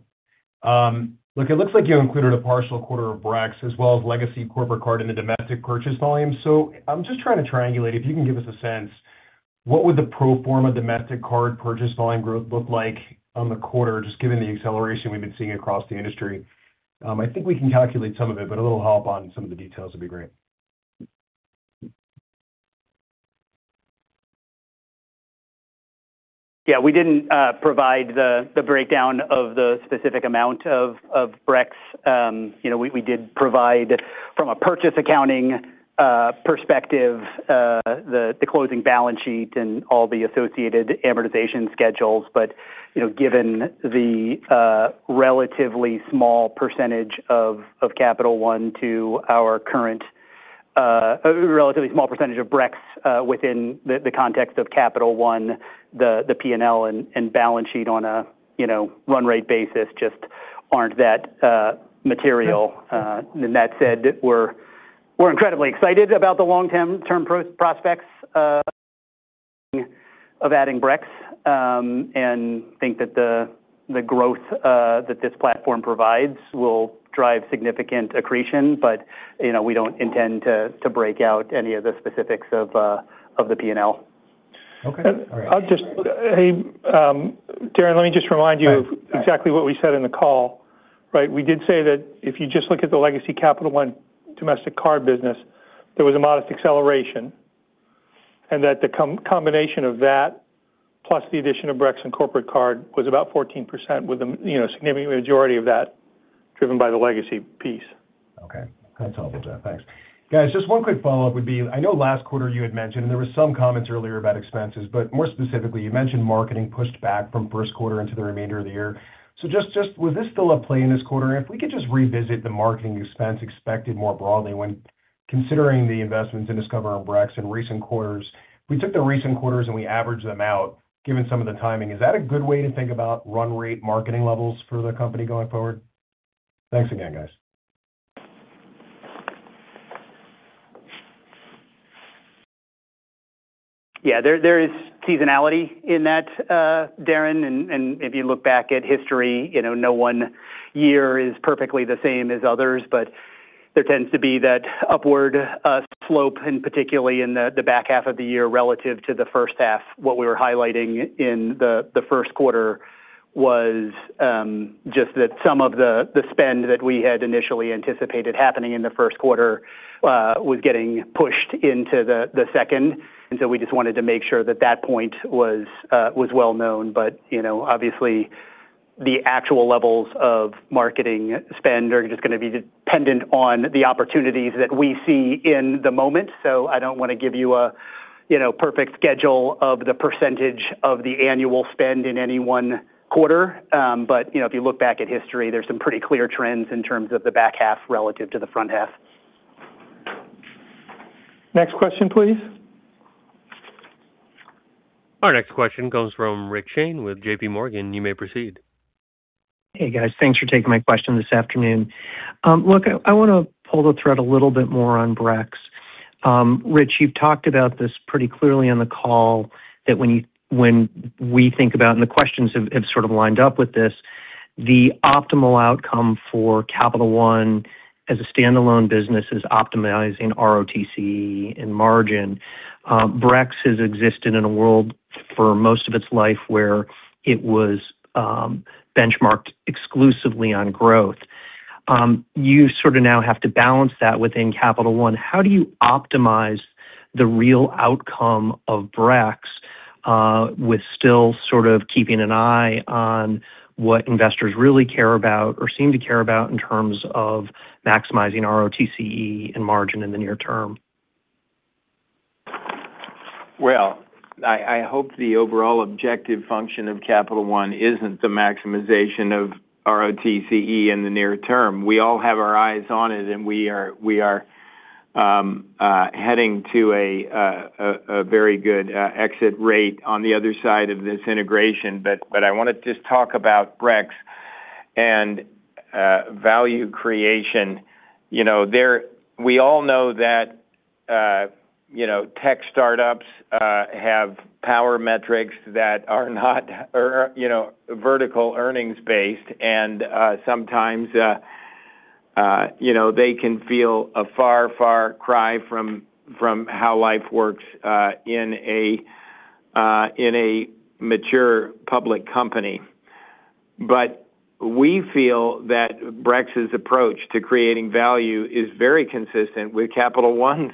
Look, it looks like you included a partial quarter of Brex as well as Legacy Corporate Card in the domestic purchase volume. I'm just trying to triangulate if you can give us a sense, what would the pro forma domestic card purchase volume growth look like on the quarter, just given the acceleration we've been seeing across the industry? I think we can calculate some of it, a little help on some of the details would be great. Yeah, we didn't provide the breakdown of the specific amount of Brex. We did provide, from a purchase accounting perspective, the closing balance sheet and all the associated amortization schedules. Given the relatively small percentage of Brex within the context of Capital One, the P&L and balance sheet on a run rate basis just aren't that material. That said, we're incredibly excited about the long-term prospects of adding Brex and think that the growth that this platform provides will drive significant accretion. We don't intend to break out any of the specifics of the P&L. Okay. All right. Darrin, let me just remind you exactly what we said in the call. We did say that if you just look at the legacy Capital One domestic card business, there was a modest acceleration, and that the combination of that plus the addition of Brex and corporate card was about 14%, with a significant majority of that driven by the legacy piece. Okay. That's helpful, Jeff. Thanks. Guys, just one quick follow-up would be, I know last quarter you had mentioned, and there were some comments earlier about expenses, but more specifically, you mentioned marketing pushed back from first quarter into the remainder of the year. Was this still at play in this quarter? If we could just revisit the marketing expense expected more broadly when considering the investments in Discover and Brex in recent quarters. We took the recent quarters and we averaged them out given some of the timing. Is that a good way to think about run rate marketing levels for the company going forward? Thanks again, guys. Yeah. There is seasonality in that, Darrin, if you look back at history, no one year is perfectly the same as others, but there tends to be that upward slope, particularly in the back half of the year relative to the first half. What we were highlighting in the first quarter was just that some of the spend that we had initially anticipated happening in the first quarter was getting pushed into the second. We just wanted to make sure that point was well-known. Obviously, the actual levels of marketing spend are just going to be dependent on the opportunities that we see in the moment. I don't want to give you a perfect schedule of the percentage of the annual spend in any one quarter. If you look back at history, there's some pretty clear trends in terms of the back half relative to the front half. Next question, please. Our next question comes from Rich Shane with JPMorgan. You may proceed. Hey, guys. Thanks for taking my question this afternoon. Look, I want to pull the thread a little bit more on Brex. Rich, you've talked about this pretty clearly on the call that when we think about, and the questions have sort of lined up with this, the optimal outcome for Capital One as a standalone business is optimizing ROTCE and margin. Brex has existed in a world for most of its life where it was benchmarked exclusively on growth. You sort of now have to balance that within Capital One. How do you optimize the real outcome of Brex with still sort of keeping an eye on what investors really care about or seem to care about in terms of maximizing ROTCE and margin in the near term? Well, I hope the overall objective function of Capital One isn't the maximization of ROTCE in the near term. We all have our eyes on it, and we are heading to a very good exit rate on the other side of this integration. I want to just talk about Brex and value creation. We all know that tech startups have power metrics that are not vertical earnings based, and sometimes they can feel a far cry from how life works in a mature public company. We feel that Brex's approach to creating value is very consistent with Capital One's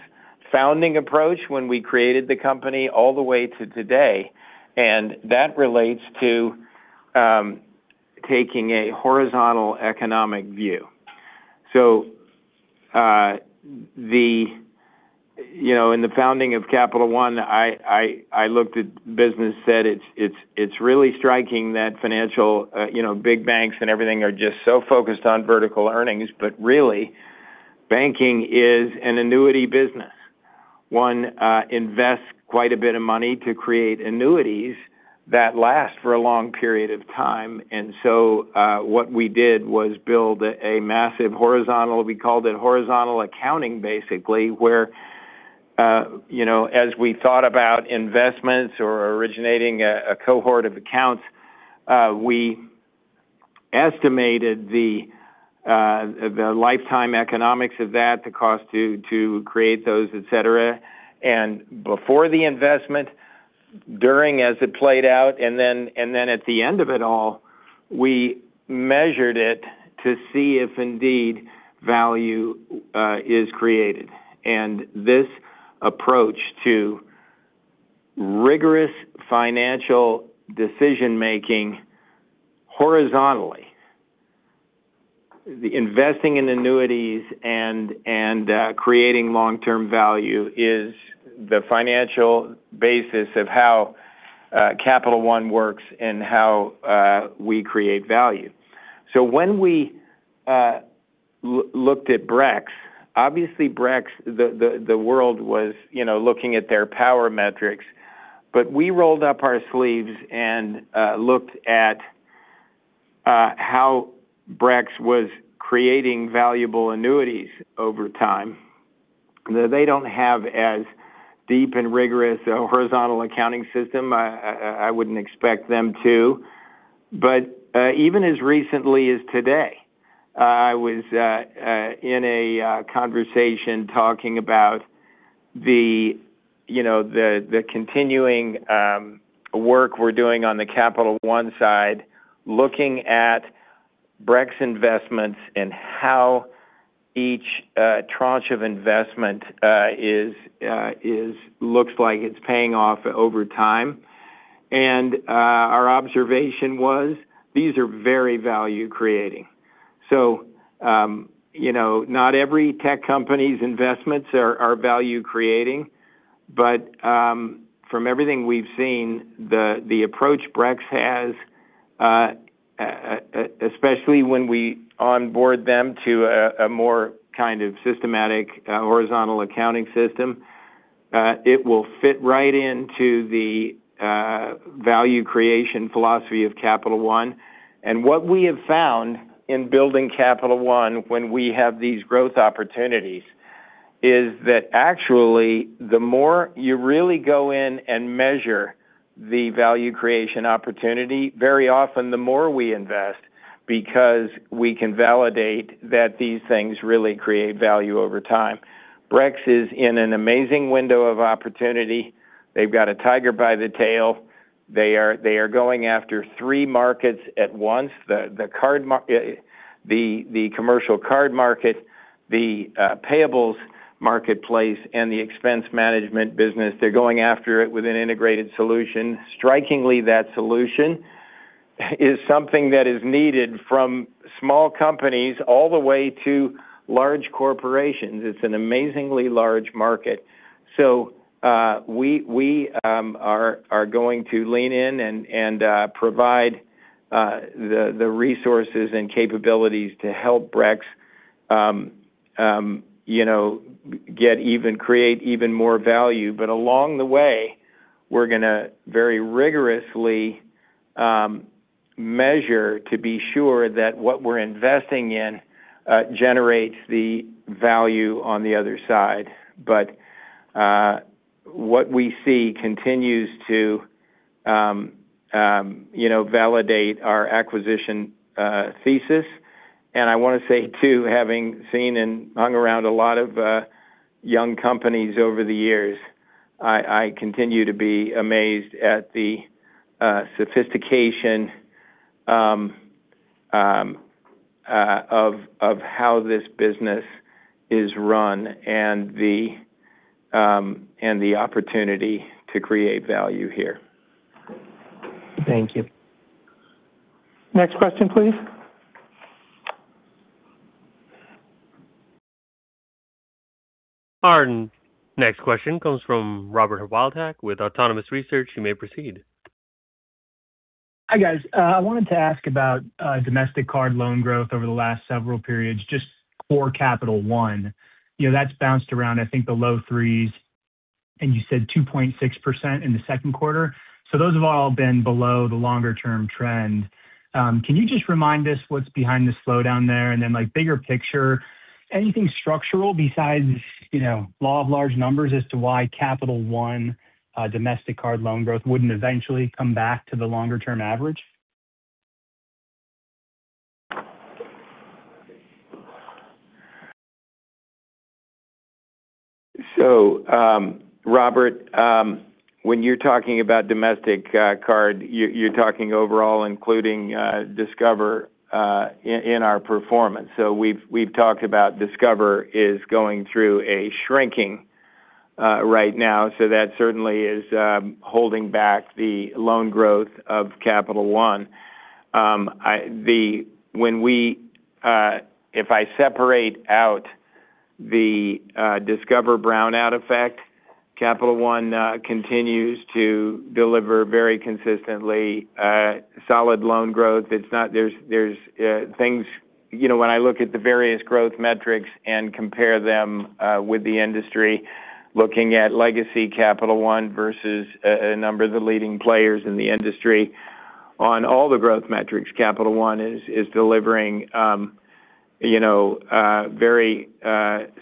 founding approach when we created the company all the way to today, and that relates to taking a horizontal economic view. In the founding of Capital One, I looked at business, said it's really striking that financial big banks and everything are just so focused on vertical earnings. Banking is an annuity business. One invests quite a bit of money to create annuities that last for a long period of time. What we did was build a massive horizontal, we called it horizontal accounting basically, where as we thought about investments or originating a cohort of accounts, we estimated the lifetime economics of that, the cost to create those, et cetera. Before the investment, during as it played out, and then at the end of it all, we measured it to see if indeed value is created. This approach to rigorous financial decision-making horizontally. The investing in annuities and creating long-term value is the financial basis of how Capital One works and how we create value. When we looked at Brex, obviously Brex, the world was looking at their power metrics. We rolled up our sleeves and looked at how Brex was creating valuable annuities over time. They don't have as deep and rigorous a horizontal accounting system. I wouldn't expect them to. Even as recently as today, I was in a conversation talking about the continuing work we're doing on the Capital One side, looking at Brex investments and how each tranche of investment looks like it's paying off over time. Our observation was, these are very value-creating. Not every tech company's investments are value-creating. From everything we've seen, the approach Brex has, especially when we onboard them to a more kind of systematic horizontal accounting system, it will fit right into the value creation philosophy of Capital One. What we have found in building Capital One when we have these growth opportunities is that actually, the more you really go in and measure the value creation opportunity, very often the more we invest because we can validate that these things really create value over time. Brex is in an amazing window of opportunity. They've got a tiger by the tail. They are going after three markets at once. The commercial card market, the payables marketplace, and the expense management business. They're going after it with an integrated solution. Strikingly, that solution is something that is needed from small companies all the way to large corporations. It's an amazingly large market. We are going to lean in and provide the resources and capabilities to help Brex create even more value. Along the way, we're going to very rigorously measure to be sure that what we're investing in generates the value on the other side. What we see continues to validate our acquisition thesis. I want to say, too, having seen and hung around a lot of young companies over the years, I continue to be amazed at the sophistication of how this business is run and the opportunity to create value here. Thank you. Next question, please. Our next question comes from Robert Wildhack with Autonomous Research. You may proceed. Hi, guys. I wanted to ask about domestic card loan growth over the last several periods, just for Capital One. That's bounced around, I think, the low threes, and you said 2.6% in the second quarter. Those have all been below the longer-term trend. Can you just remind us what's behind the slowdown there? Bigger picture, anything structural besides law of large numbers as to why Capital One domestic card loan growth wouldn't eventually come back to the longer-term average? Robert, when you're talking about domestic card, you're talking overall including Discover in our performance. We've talked about Discover is going through a shrinking right now, that certainly is holding back the loan growth of Capital One. If I separate out the Discover brown-out effect, Capital One continues to deliver very consistently solid loan growth. When I look at the various growth metrics and compare them with the industry, looking at legacy Capital One versus a number of the leading players in the industry, on all the growth metrics, Capital One is delivering very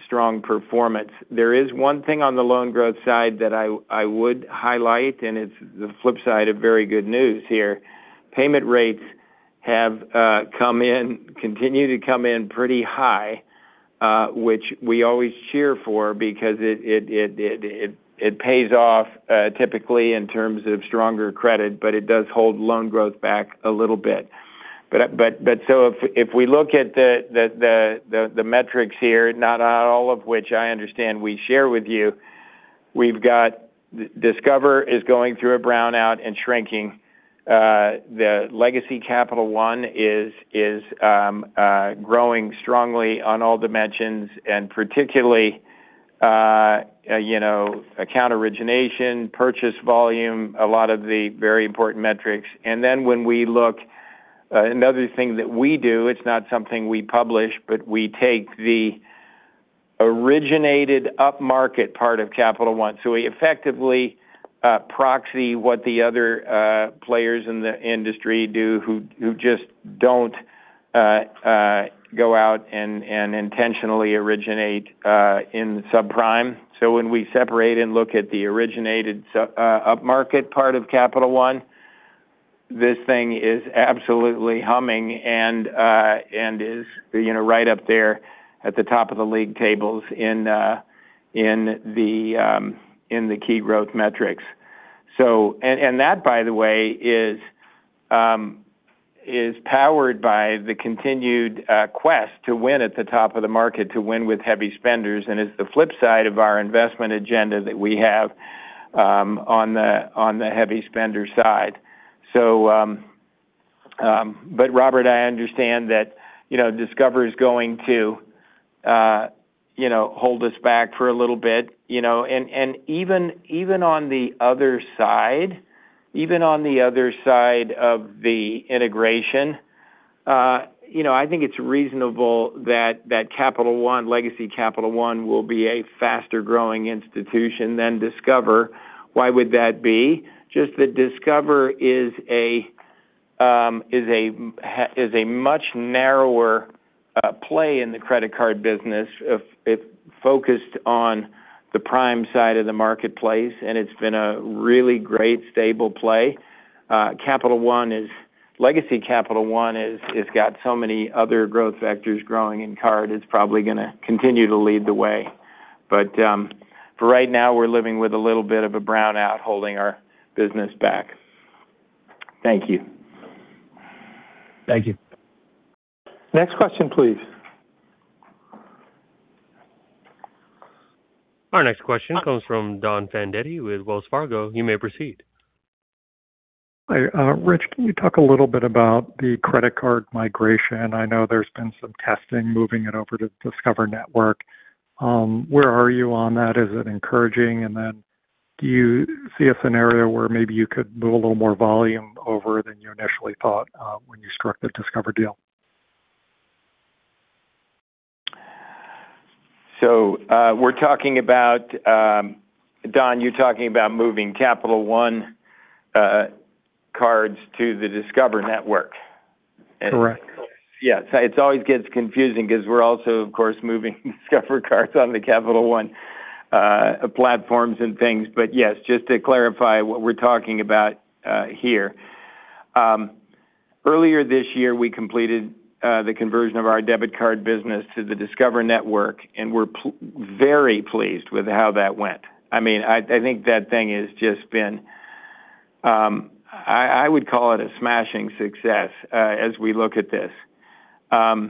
strong performance. There is one thing on the loan growth side that I would highlight, and it's the flip side of very good news here. Payment rates have continued to come in pretty high, which we always cheer for because it pays off typically in terms of stronger credit, but it does hold loan growth back a little bit. If we look at the metrics here, not all of which I understand we share with you, we've got Discover is going through a brownout and shrinking. The legacy Capital One is growing strongly on all dimensions and particularly account origination, purchase volume, a lot of the very important metrics. When we look, another thing that we do, it's not something we publish, but we take the originated upmarket part of Capital One. We effectively proxy what the other players in the industry do who just don't go out and intentionally originate in subprime. When we separate and look at the originated upmarket part of Capital One, this thing is absolutely humming and is right up there at the top of the league tables in the key growth metrics. That, by the way, is powered by the continued quest to win at the top of the market, to win with heavy spenders, and it's the flip side of our investment agenda that we have on the heavy spender side. Robert, I understand that Discover is going to hold us back for a little bit. Even on the other side of the integration, I think it's reasonable that legacy Capital One will be a faster-growing institution than Discover. Why would that be? Just that Discover is a much narrower play in the credit card business. It focused on the prime side of the marketplace, and it's been a really great stable play. Legacy Capital One has got so many other growth vectors growing in card. It's probably going to continue to lead the way. For right now, we're living with a little bit of a brownout holding our business back. Thank you. Thank you. Next question, please. Our next question comes from Don Fandetti with Wells Fargo. You may proceed. Hi, Rich. Can you talk a little bit about the credit card migration? I know there's been some testing moving it over to Discover Network. Where are you on that? Is it encouraging? Do you see a scenario where maybe you could move a little more volume over than you initially thought when you struck the Discover deal? Don, you're talking about moving Capital One cards to the Discover Network? Correct. Yes. It always gets confusing because we're also, of course, moving Discover cards on the Capital One platforms and things. Yes, just to clarify what we're talking about here. Earlier this year, we completed the conversion of our debit card business to the Discover Network, and we're very pleased with how that went. I would call it a smashing success as we look at this. As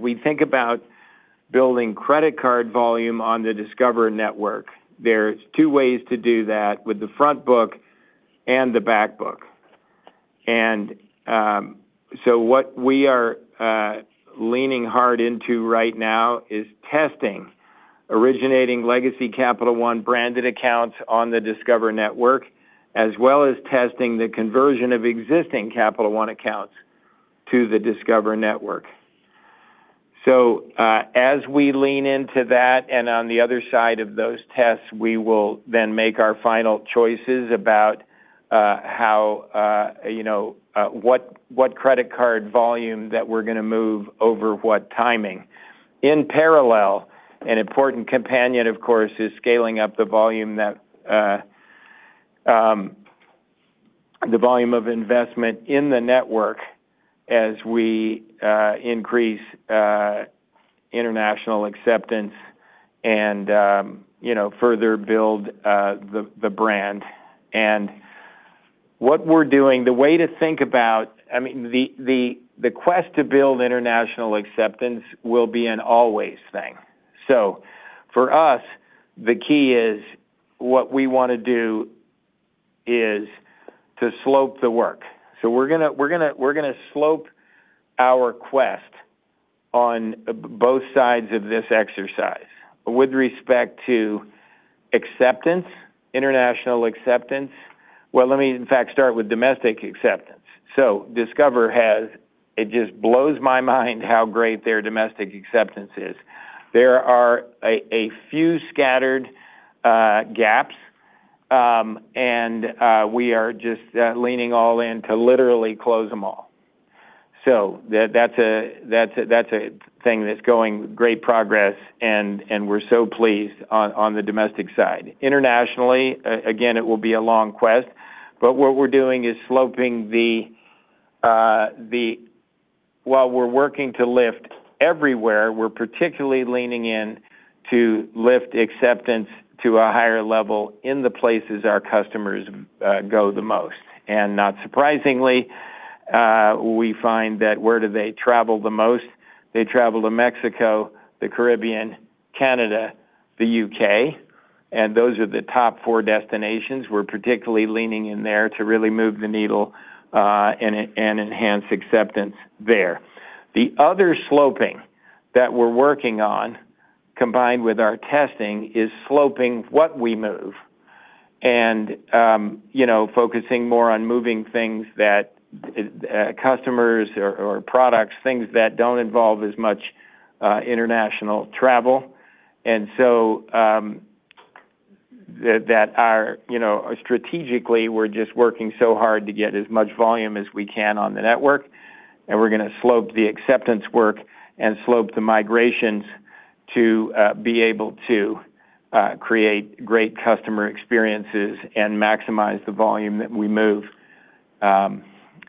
we think about building credit card volume on the Discover Network, there's two ways to do that, with the front book and the back book. What we are leaning hard into right now is testing, originating legacy Capital One branded accounts on the Discover Network, as well as testing the conversion of existing Capital One accounts to the Discover Network. As we lean into that and on the other side of those tests, we will then make our final choices about what credit card volume that we're going to move over what timing. In parallel, an important companion, of course, is scaling up the volume of investment in the network as we increase international acceptance and further build the brand. What we're doing, the quest to build international acceptance will be an always thing. For us, the key is what we want to do is to slope the work. We're going to slope our quest on both sides of this exercise. Let me in fact start with domestic acceptance. Discover, it just blows my mind how great their domestic acceptance is. There are a few scattered gaps. We are just leaning all in to literally close them all. That's a thing that's going great progress, and we're so pleased on the domestic side. Internationally, again, it will be a long quest, but what we're doing is sloping while we're working to lift everywhere, we're particularly leaning in to lift acceptance to a higher level in the places our customers go the most. Not surprisingly, we find that where do they travel the most? They travel to Mexico, the Caribbean, Canada, the U.K., and those are the top four destinations. We're particularly leaning in there to really move the needle and enhance acceptance there. The other sloping that we're working on, combined with our testing, is sloping what we move and focusing more on moving things that customers or products, things that don't involve as much international travel. Strategically, we're just working so hard to get as much volume as we can on the network, and we're going to slope the acceptance work and slope the migrations to be able to create great customer experiences and maximize the volume that we move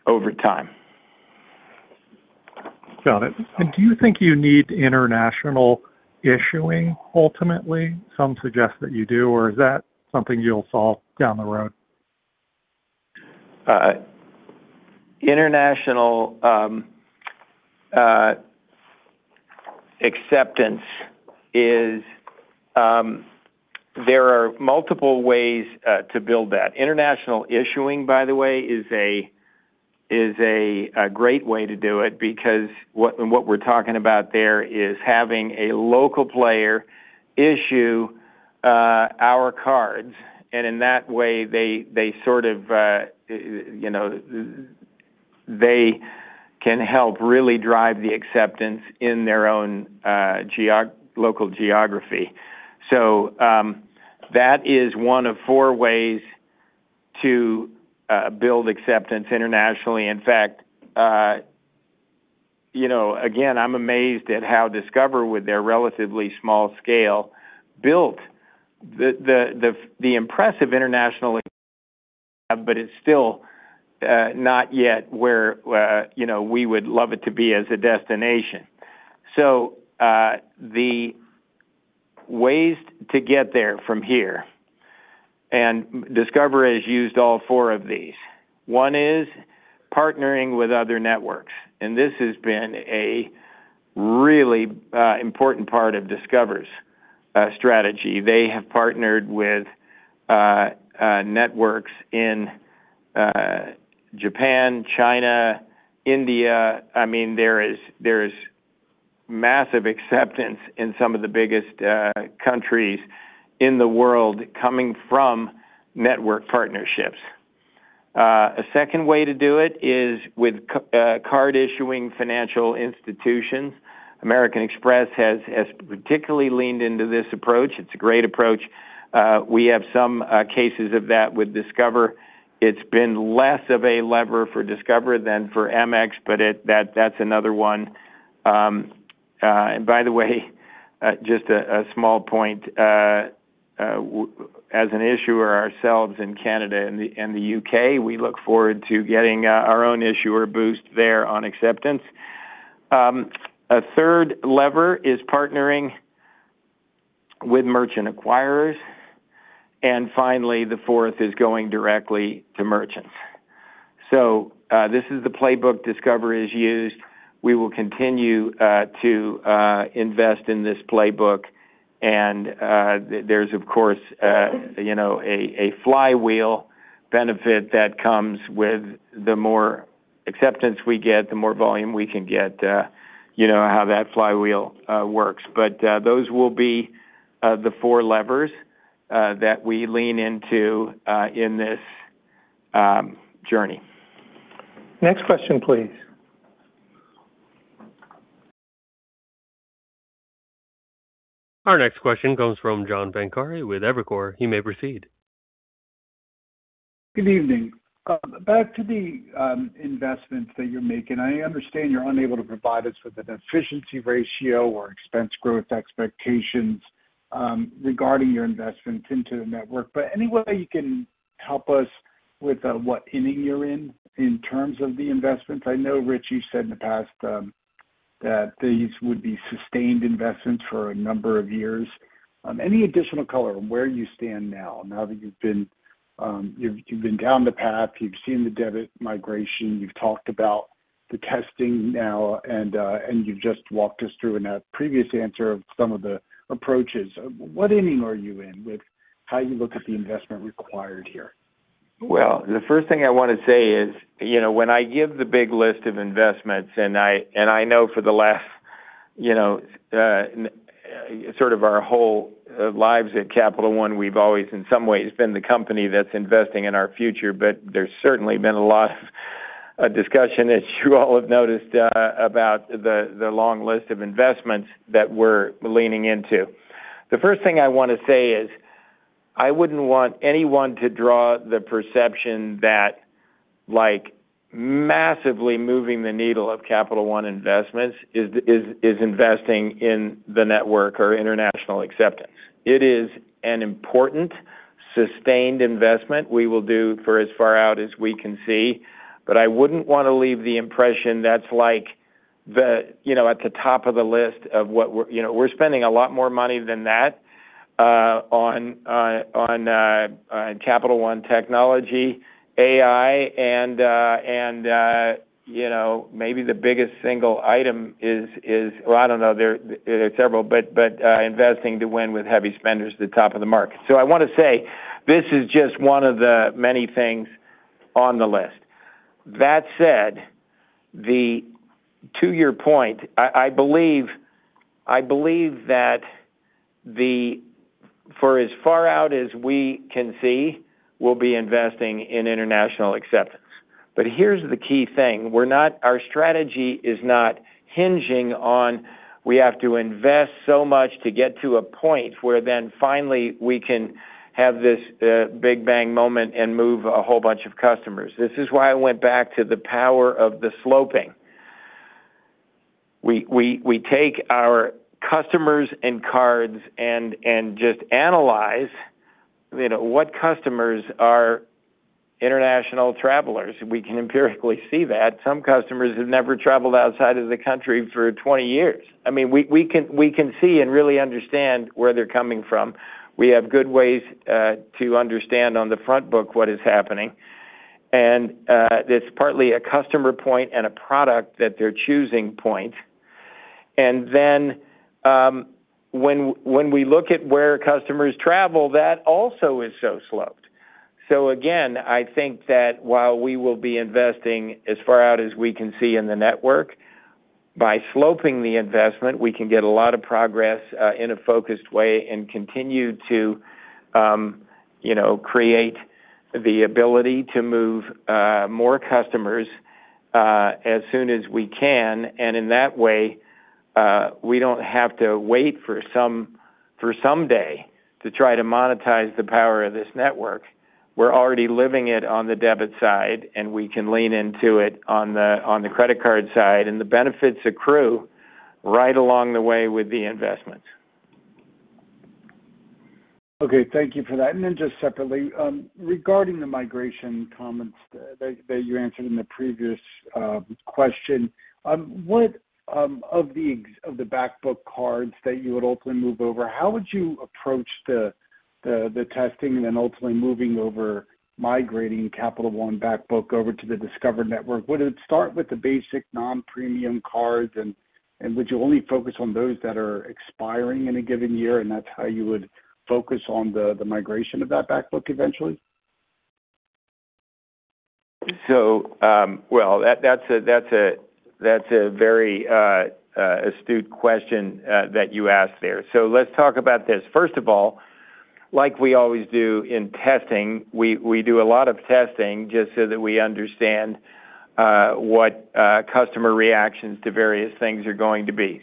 over time. Got it. Do you think you need international issuing ultimately? Some suggest that you do, or is that something you'll solve down the road? International acceptance, there are multiple ways to build that. International issuing, by the way, is a great way to do it because what we're talking about there is having a local player issue our cards. In that way, they can help really drive the acceptance in their own local geography. That is one of four ways to build acceptance internationally. In fact, again, I'm amazed at how Discover, with their relatively small scale, built the impressive international, but it's still not yet where we would love it to be as a destination. The ways to get there from here, and Discover has used all four of these. One is partnering with other networks, and this has been a really important part of Discover's strategy. They have partnered with networks in Japan, China, India. There is massive acceptance in some of the biggest countries in the world coming from network partnerships. A second way to do it is with card-issuing financial institutions. American Express has particularly leaned into this approach. It's a great approach. We have some cases of that with Discover. It's been less of a lever for Discover than for Amex, but that's another one. By the way, just a small point. As an issuer ourselves in Canada and the U.K., we look forward to getting our own issuer boost there on acceptance. A third lever is partnering with merchant acquirers. Finally, the fourth is going directly to merchants. This is the playbook Discover has used. We will continue to invest in this playbook. There's, of course, a flywheel benefit that comes with the more acceptance we get, the more volume we can get. You know how that flywheel works. Those will be the four levers that we lean into in this journey. Next question, please. Our next question comes from John Pancari with Evercore. He may proceed. Good evening. Back to the investments that you're making. I understand you're unable to provide us with an efficiency ratio or expense growth expectations regarding your investments into the network. Any way you can help us with what inning you're in terms of the investments? I know, Rich, you said in the past that these would be sustained investments for a number of years. Any additional color on where you stand now that you've been down the path, you've seen the debit migration, you've talked about the testing now, and you just walked us through in a previous answer of some of the approaches. What inning are you in with how you look at the investment required here? The first thing I want to say is, when I give the big list of investments, I know for the last sort of our whole lives at Capital One, we've always, in some ways, been the company that's investing in our future. There's certainly been a lot of discussion that you all have noticed about the long list of investments that we're leaning into. The first thing I want to say is, I wouldn't want anyone to draw the perception that massively moving the needle of Capital One investments is investing in the network or international acceptance. It is an important, sustained investment we will do for as far out as we can see. I wouldn't want to leave the impression that's at the top of the list of what we're spending a lot more money than that on Capital One technology, AI, and maybe the biggest single item is, I don't know, there are several, but investing to win with heavy spenders at the top of the market. I want to say, this is just one of the many things on the list. That said, to your point, I believe that for as far out as we can see, we'll be investing in international acceptance. Here's the key thing. Our strategy is not hinging on we have to invest so much to get to a point where finally we can have this big bang moment and move a whole bunch of customers. This is why I went back to the power of the sloping. We take our customers and cards and just analyze what customers are international travelers. We can empirically see that. Some customers have never traveled outside of the country for 20 years. We can see and really understand where they're coming from. We have good ways to understand on the front book what is happening. It's partly a customer point and a product that they're choosing point. Then when we look at where customers travel, that also is so sloped. Again, I think that while we will be investing as far out as we can see in the network, by sloping the investment. We can get a lot of progress in a focused way and continue to create the ability to move more customers as soon as we can. In that way, we don't have to wait for someday to try to monetize the power of this network. We're already living it on the debit side, and we can lean into it on the credit card side, and the benefits accrue right along the way with the investments. Okay. Thank you for that. Just separately, regarding the migration comments that you answered in the previous question, what of the back-book cards that you would ultimately move over, how would you approach the testing and then ultimately moving over migrating Capital One back book over to the Discover Network? Would it start with the basic non-premium cards? Would you only focus on those that are expiring in a given year, and that's how you would focus on the migration of that back book eventually? Well, that's a very astute question that you asked there. Let's talk about this. First of all, like we always do in testing, we do a lot of testing just so that we understand what customer reactions to various things are going to be.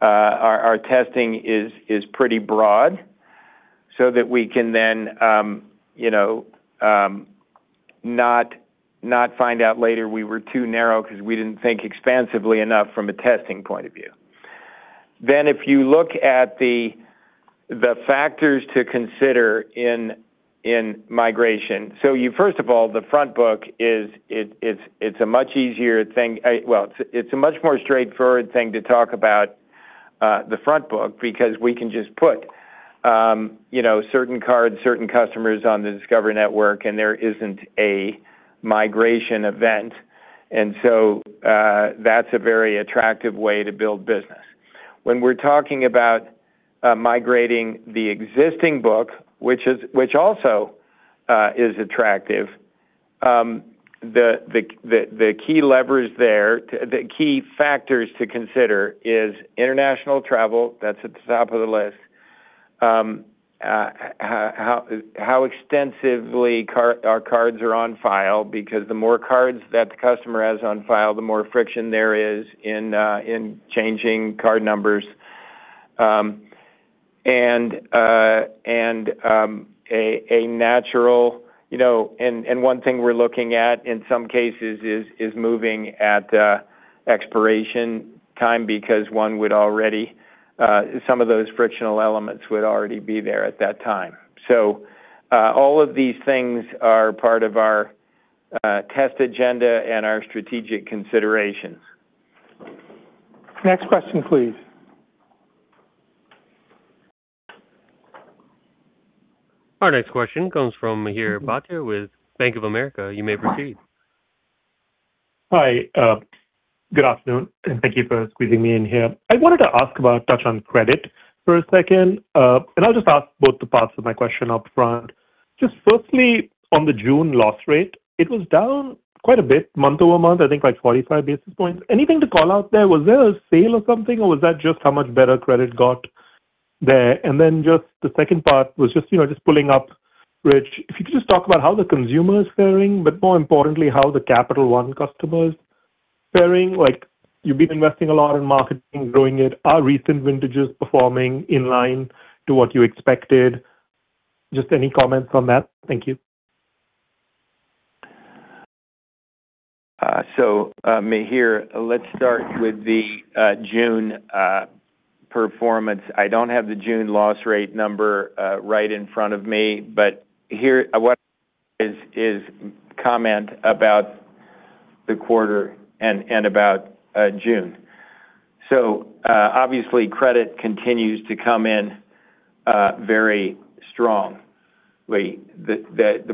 Our testing is pretty broad so that we can then not find out later we were too narrow because we didn't think expansively enough from a testing point of view. If you look at the factors to consider in migration. First of all, the front book, it's a much more straightforward thing to talk about the front book because we can just put certain cards, certain customers on the Discover Network, and there isn't a migration event. That's a very attractive way to build business. When we're talking about migrating the existing book, which also is attractive, the key levers there, the key factors to consider is international travel. That's at the top of the list. How extensively our cards are on file, because the more cards that the customer has on file, the more friction there is in changing card numbers. One thing we're looking at in some cases is moving at the expiration time because some of those frictional elements would already be there at that time. All of these things are part of our test agenda and our strategic considerations. Next question, please. Our next question comes from Mihir Bhatia with Bank of America. You may proceed. Hi. Good afternoon. Thank you for squeezing me in here. I wanted to ask about touch on credit for a second. I'll just ask both the parts of my question up front. Just firstly, on the June loss rate, it was down quite a bit month-over-month, I think like 45 basis points. Anything to call out there? Was there a sale or something, or was that just how much better credit got There. Then just the second part was just pulling up, Rich, if you could just talk about how the consumer is faring, but more importantly, how the Capital One customer is faring. You've been investing a lot in marketing, growing it. Are recent vintages performing in line to what you expected? Just any comments on that. Thank you. Mihir, let's start with the June performance. I don't have the June loss rate number right in front of me. Here is comment about the quarter and about June. Obviously, credit continues to come in very strongly.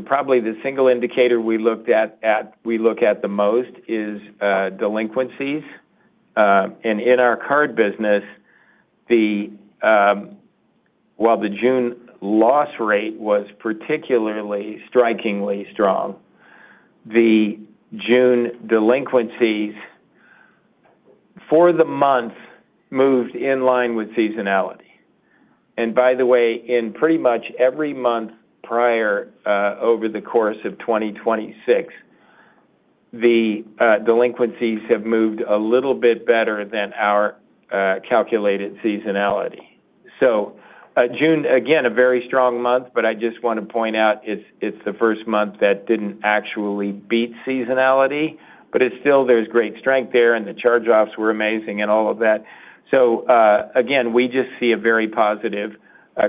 Probably the single indicator we look at the most is delinquencies. In our card business, while the June loss rate was particularly strikingly strong, the June delinquencies for the month moved in line with seasonality. By the way, in pretty much every month prior over the course of 2026, the delinquencies have moved a little bit better than our calculated seasonality. June, again, a very strong month, but I just want to point out it's the first month that didn't actually beat seasonality. Still there's great strength there, and the charge-offs were amazing and all of that. Again, we just see a very positive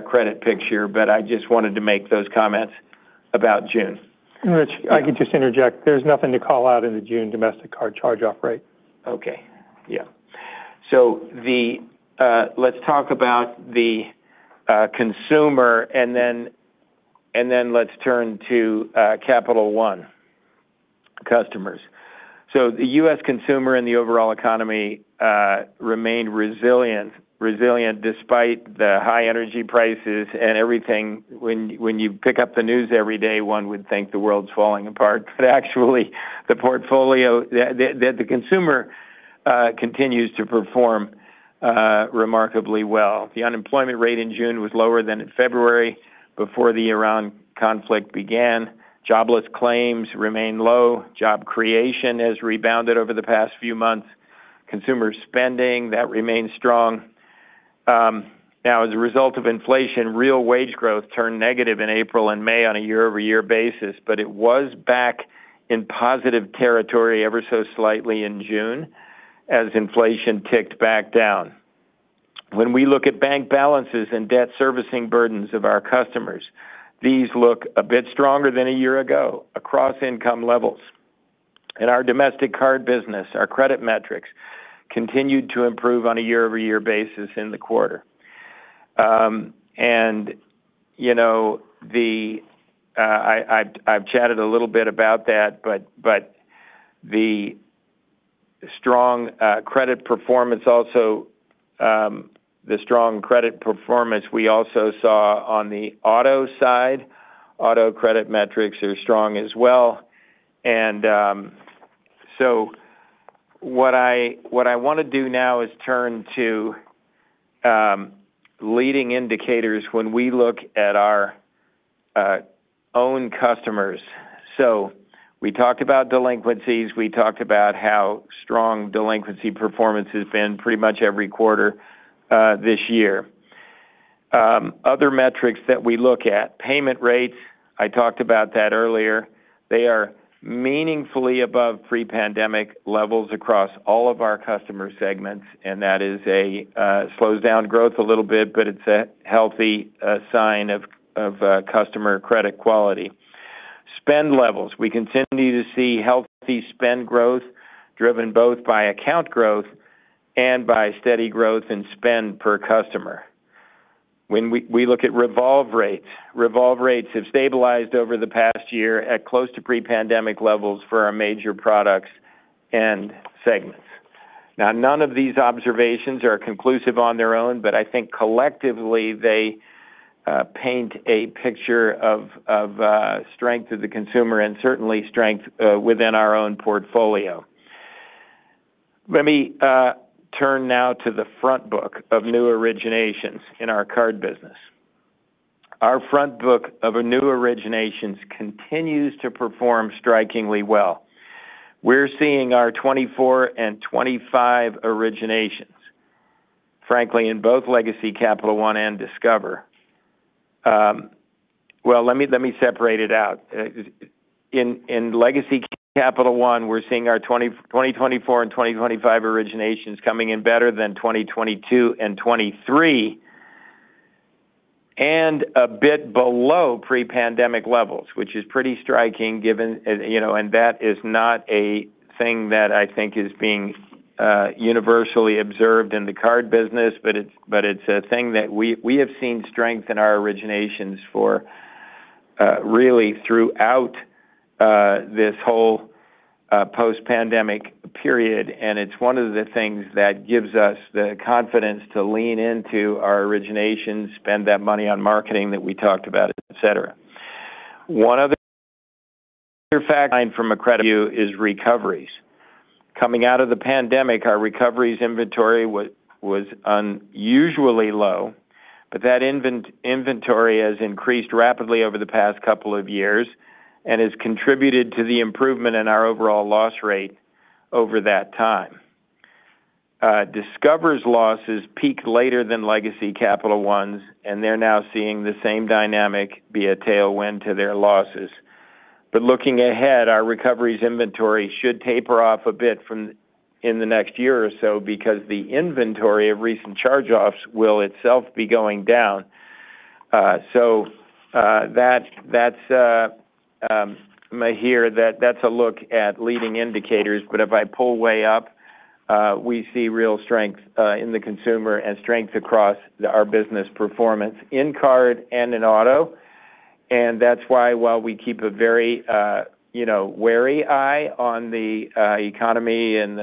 credit picture, but I just wanted to make those comments about June. Rich, if I could just interject, there's nothing to call out in the June domestic card charge-off rate. Okay. Yeah. Let's talk about the consumer, and then let's turn to Capital One customers. The U.S. consumer and the overall economy remain resilient despite the high energy prices and everything. When you pick up the news every day, one would think the world's falling apart. Actually, the consumer continues to perform remarkably well. The unemployment rate in June was lower than in February before the Iran conflict began. Jobless claims remain low. Job creation has rebounded over the past few months. Consumer spending, that remains strong. Now, as a result of inflation, real wage growth turned negative in April and May on a year-over-year basis, but it was back in positive territory ever so slightly in June as inflation ticked back down. When we look at bank balances and debt servicing burdens of our customers, these look a bit stronger than a year ago across income levels. In our domestic card business, our credit metrics continued to improve on a year-over-year basis in the quarter. I've chatted a little bit about that, but the strong credit performance we also saw on the auto side, auto credit metrics are strong as well. What I want to do now is turn to leading indicators when we look at our own customers. We talked about delinquencies, we talked about how strong delinquency performance has been pretty much every quarter this year. Other metrics that we look at, payment rates, I talked about that earlier. They are meaningfully above pre-pandemic levels across all of our customer segments. That slows down growth a little bit, but it's a healthy sign of customer credit quality. Spend levels. We continue to see healthy spend growth driven both by account growth and by steady growth in spend per customer. When we look at revolve rates, revolve rates have stabilized over the past year at close to pre-pandemic levels for our major products and segments. None of these observations are conclusive on their own, but I think collectively, they paint a picture of strength of the consumer and certainly strength within our own portfolio. Let me turn now to the front book of new originations in our card business. Our front book of new originations continues to perform strikingly well. We're seeing our 2024 and 2025 originations, frankly, in both legacy Capital One and Discover. Let me separate it out. In legacy Capital One, we're seeing our 2024 and 2025 originations coming in better than 2022 and 2023, and a bit below pre-pandemic levels, which is pretty striking. That is not a thing that I think is being universally observed in the card business. We have seen strength in our originations for really throughout this whole post-pandemic period, and it's one of the things that gives us the confidence to lean into our originations, spend that money on marketing that we talked about, et cetera. Your fact line from a credit view is recoveries. Coming out of the pandemic, our recoveries inventory was unusually low, but that inventory has increased rapidly over the past couple of years and has contributed to the improvement in our overall loss rate over that time. Discover's losses peaked later than Legacy Capital One's, and they're now seeing the same dynamic be a tailwind to their losses. Looking ahead, our recoveries inventory should taper off a bit in the next year or so because the inventory of recent charge-offs will itself be going down. That's a look at leading indicators, but if I pull way up, we see real strength in the consumer and strength across our business performance in card and in auto. That's why while we keep a very wary eye on the economy and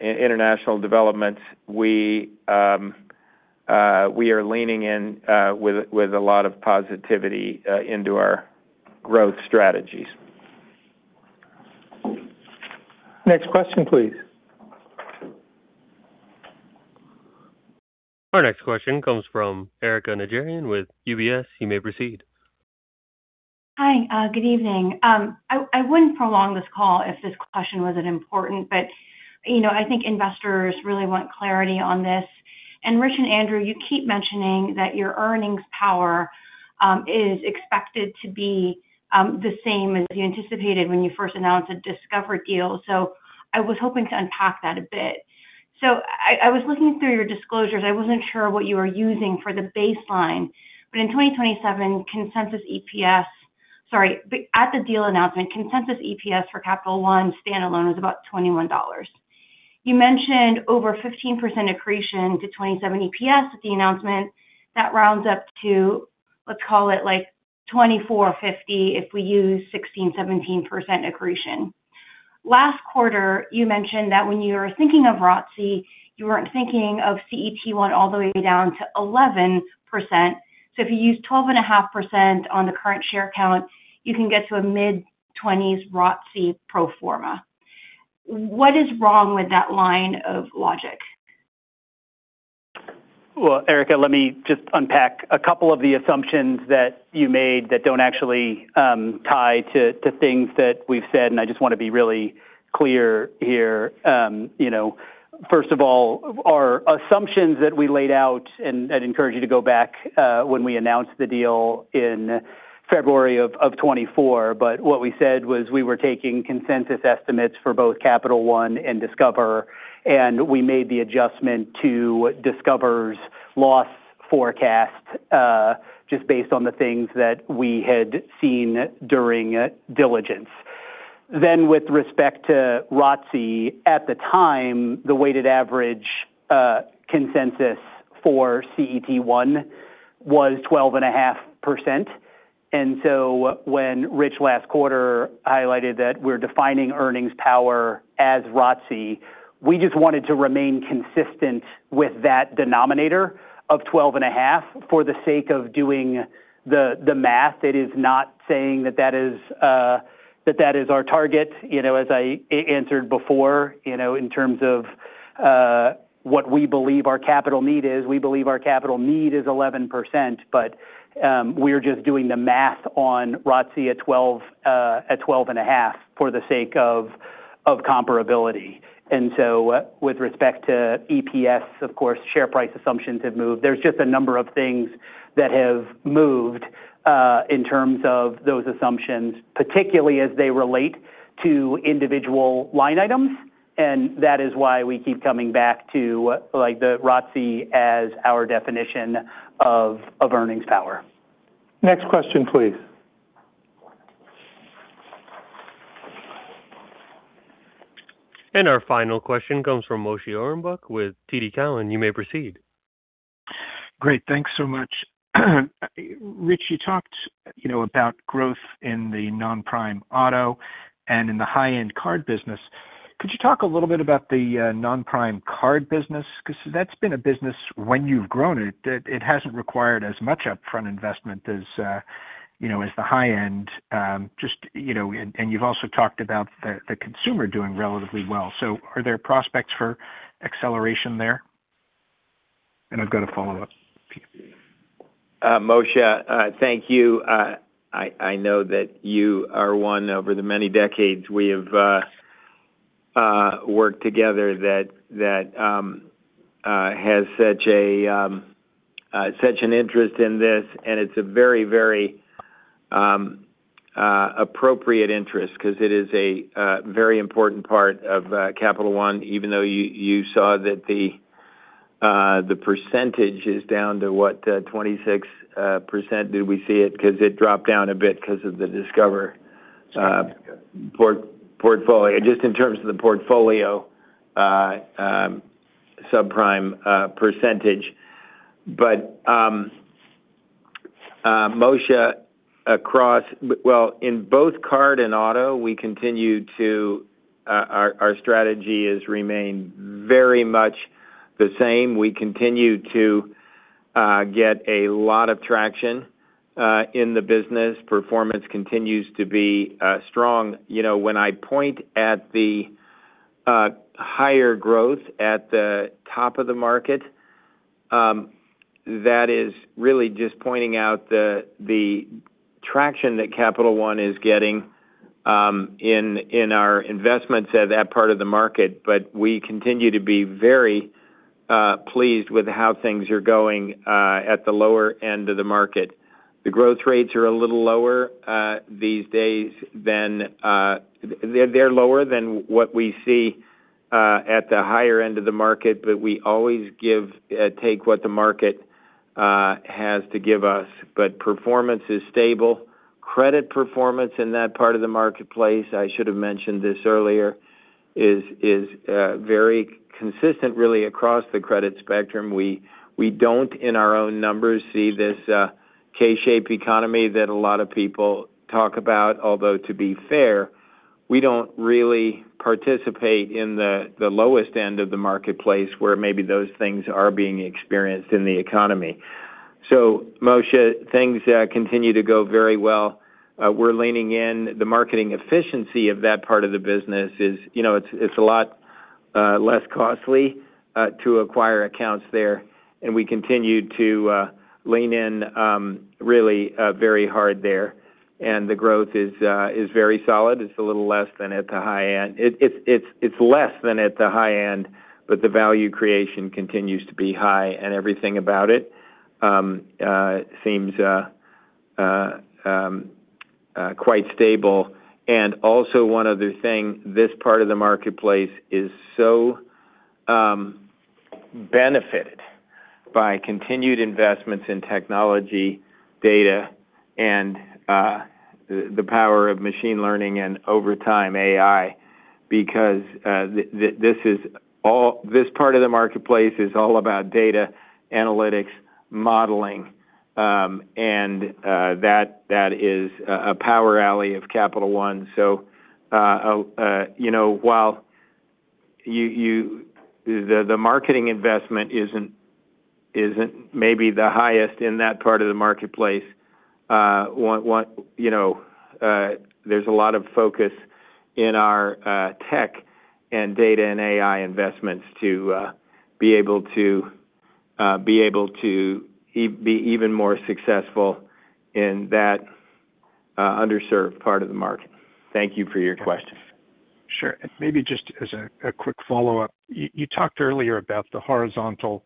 international developments, we are leaning in with a lot of positivity into our growth strategies. Next question, please. Our next question comes from Erika Najarian with UBS. You may proceed. Hi. Good evening. I wouldn't prolong this call if this question wasn't important. I think investors really want clarity on this. Rich and Andrew, you keep mentioning that your earnings power is expected to be the same as you anticipated when you first announced the Discover deal. I was hoping to unpack that a bit. I was looking through your disclosures. I wasn't sure what you were using for the baseline, but in 2027, consensus EPS Sorry, at the deal announcement, consensus EPS for Capital One standalone was about $21. You mentioned over 15% accretion to 2027 EPS at the announcement. That rounds up to, let's call it like $24.50 if we use 16%, 17% accretion. Last quarter, you mentioned that when you were thinking of ROTCE, you weren't thinking of CET1 all the way down to 11%. If you use 12.5% on the current share count, you can get to a mid-20s ROTCE pro forma. What is wrong with that line of logic? Well, Erika, let me just unpack a couple of the assumptions that you made that don't actually tie to things that we've said. I just want to be really clear here. First of all, our assumptions that we laid out. I'd encourage you to go back when we announced the deal in February of 2024. What we said was we were taking consensus estimates for both Capital One and Discover, and we made the adjustment to Discover's loss forecast just based on the things that we had seen during diligence. With respect to ROTCE, at the time, the weighted average consensus for CET1 was 12.5%. When Rich last quarter highlighted that we're defining earnings power as ROTCE, we just wanted to remain consistent with that denominator of 12.5% for the sake of doing the math. It is not saying that that is our target. As I answered before, in terms of what we believe our capital need is, we believe our capital need is 11%, but we're just doing the math on ROTCE at 12.5% for the sake of comparability. With respect to EPS, of course, share price assumptions have moved. There's just a number of things that have moved in terms of those assumptions, particularly as they relate to individual line items, and that is why we keep coming back to the ROTCE as our definition of earnings power. Next question, please. Our final question comes from Moshe Orenbuch with TD Cowen. You may proceed. Great. Thanks so much. Rich, you talked about growth in the non-prime auto and in the high-end card business. Could you talk a little bit about the non-prime card business? That's been a business when you've grown it hasn't required as much upfront investment as the high end. You've also talked about the consumer doing relatively well. Are there prospects for acceleration there? I've got a follow-up. Moshe, thank you. I know that you are one over the many decades we have worked together that has such an interest in this, and it's a very appropriate interest because it is a very important part of Capital One, even though you saw that the percentage is down to what, 26% did we see it? It dropped down a bit because of the Discover portfolio, just in terms of the portfolio subprime percentage. Moshe, in both card and auto, our strategy has remained very much the same. We continue to get a lot of traction in the business. Performance continues to be strong. When I point at the higher growth at the top of the market, that is really just pointing out the traction that Capital One is getting in our investments at that part of the market. We continue to be very pleased with how things are going at the lower end of the market. The growth rates are a little lower these days than what we see at the higher end of the market, we always take what the market has to give us. Performance is stable. Credit performance in that part of the marketplace, I should've mentioned this earlier, is very consistent, really, across the credit spectrum. We don't, in our own numbers, see this K-shape economy that a lot of people talk about. Although, to be fair, we don't really participate in the lowest end of the marketplace, where maybe those things are being experienced in the economy. Moshe, things continue to go very well. We're leaning in. The marketing efficiency of that part of the business is a lot less costly to acquire accounts there, we continue to lean in really very hard there. The growth is very solid. It's a little less than at the high end. It's less than at the high end, the value creation continues to be high, and everything about it seems quite stable. Also, one other thing, this part of the marketplace is so benefited by continued investments in technology, data, and the power of machine learning and, over time, AI. Because this part of the marketplace is all about data analytics modeling, and that is a power alley of Capital One. While the marketing investment isn't maybe the highest in that part of the marketplace, there's a lot of focus in our tech and data and AI investments to be able to be even more successful in that underserved part of the market. Thank you for your question. Sure. Maybe just as a quick follow-up. You talked earlier about the horizontal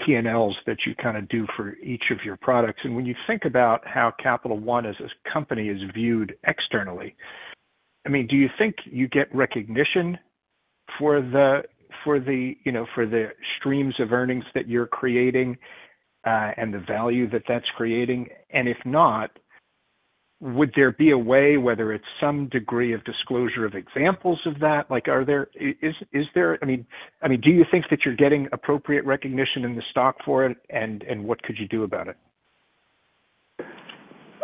P&Ls that you do for each of your products. When you think about how Capital One as a company is viewed externally, do you think you get recognition for the streams of earnings that you're creating and the value that that's creating? If not, would there be a way, whether it's some degree of disclosure of examples of that, do you think that you're getting appropriate recognition in the stock for it, and what could you do about it?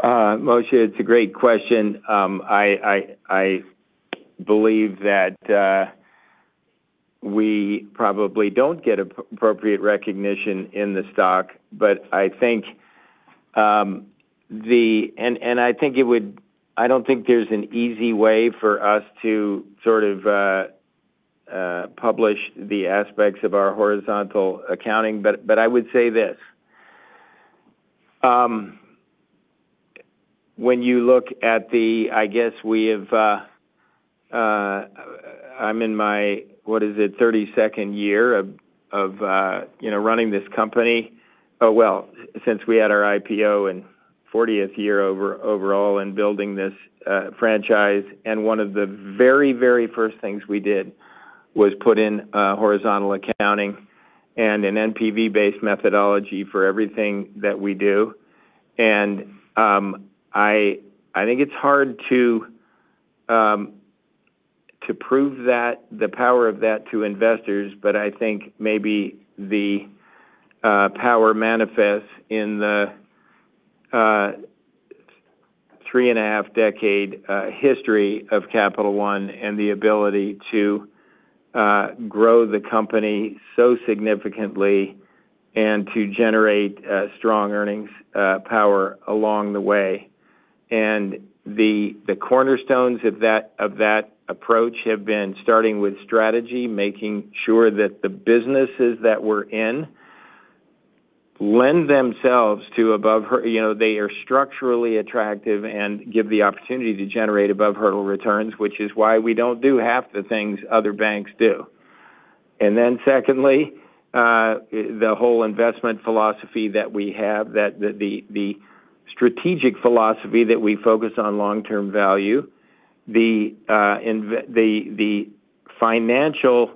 Moshe, it's a great question. I believe that we probably don't get appropriate recognition in the stock. I don't think there's an easy way for us to publish the aspects of our horizontal accounting. I would say this. When you look at the, I'm in my, what is it, 32nd year of running this company. Oh, well, since we had our IPO and 40th year overall in building this franchise. One of the very first things we did was put in horizontal accounting and an NPV-based methodology for everything that we do. I think it's hard to prove the power of that to investors, but I think maybe the power manifests in the three-and-a-half decade history of Capital One and the ability to grow the company so significantly and to generate strong earnings power along the way. The cornerstones of that approach have been starting with strategy, making sure that the businesses that we're in lend themselves to they are structurally attractive and give the opportunity to generate above-hurdle returns, which is why we don't do half the things other banks do. Secondly, the whole investment philosophy that we have, the strategic philosophy that we focus on long-term value, the financial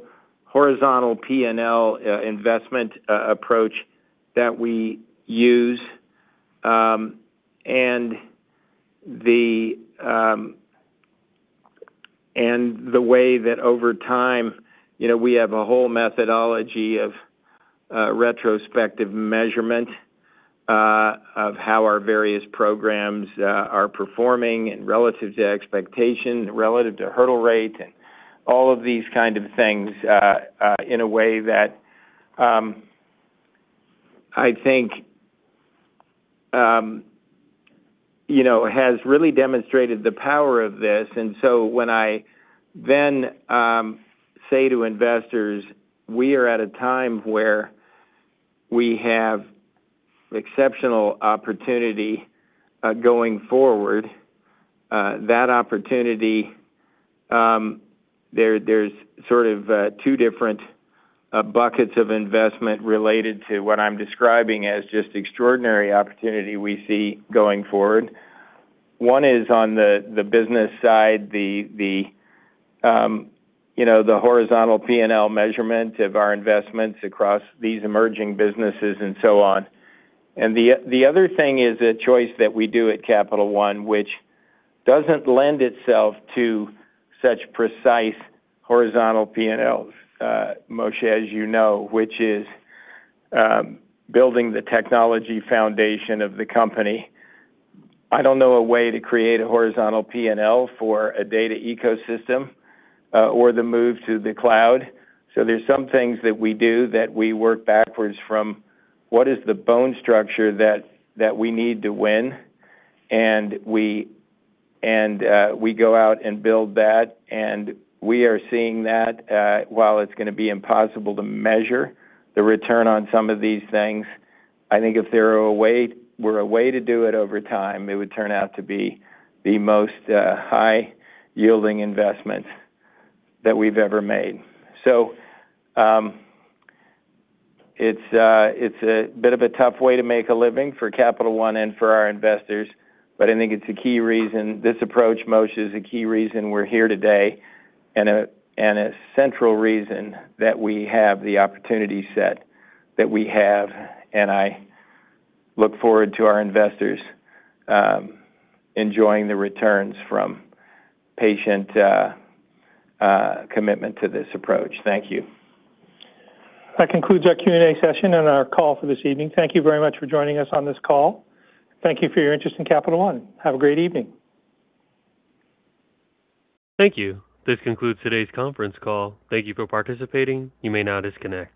horizontal P&L investment approach that we use, and the way that over time, we have a whole methodology of a retrospective measurement of how our various programs are performing and relative to expectation, relative to hurdle rate, and all of these kind of things in a way that, I think has really demonstrated the power of this. So when I then say to investors, we are at a time where we have exceptional opportunity going forward. That opportunity, there's sort of two different buckets of investment related to what I'm describing as just extraordinary opportunity we see going forward. One is on the business side, the horizontal P&L measurement of our investments across these emerging businesses and so on. The other thing is a choice that we do at Capital One, which doesn't lend itself to such precise horizontal P&L, Moshe, as you know, which is building the technology foundation of the company. I don't know a way to create a horizontal P&L for a data ecosystem or the move to the cloud. There's some things that we do that we work backwards from what is the bone structure that we need to win? We go out and build that, and we are seeing that while it's going to be impossible to measure the return on some of these things. I think if there were a way to do it over time, it would turn out to be the most high-yielding investment that we've ever made. It's a bit of a tough way to make a living for Capital One and for our investors. I think this approach, Moshe, is a key reason we're here today and a central reason that we have the opportunity set that we have. I look forward to our investors enjoying the returns from patient commitment to this approach. Thank you. That concludes our Q&A session and our call for this evening. Thank you very much for joining us on this call. Thank you for your interest in Capital One. Have a great evening. Thank you. This concludes today's conference call. Thank you for participating. You may now disconnect.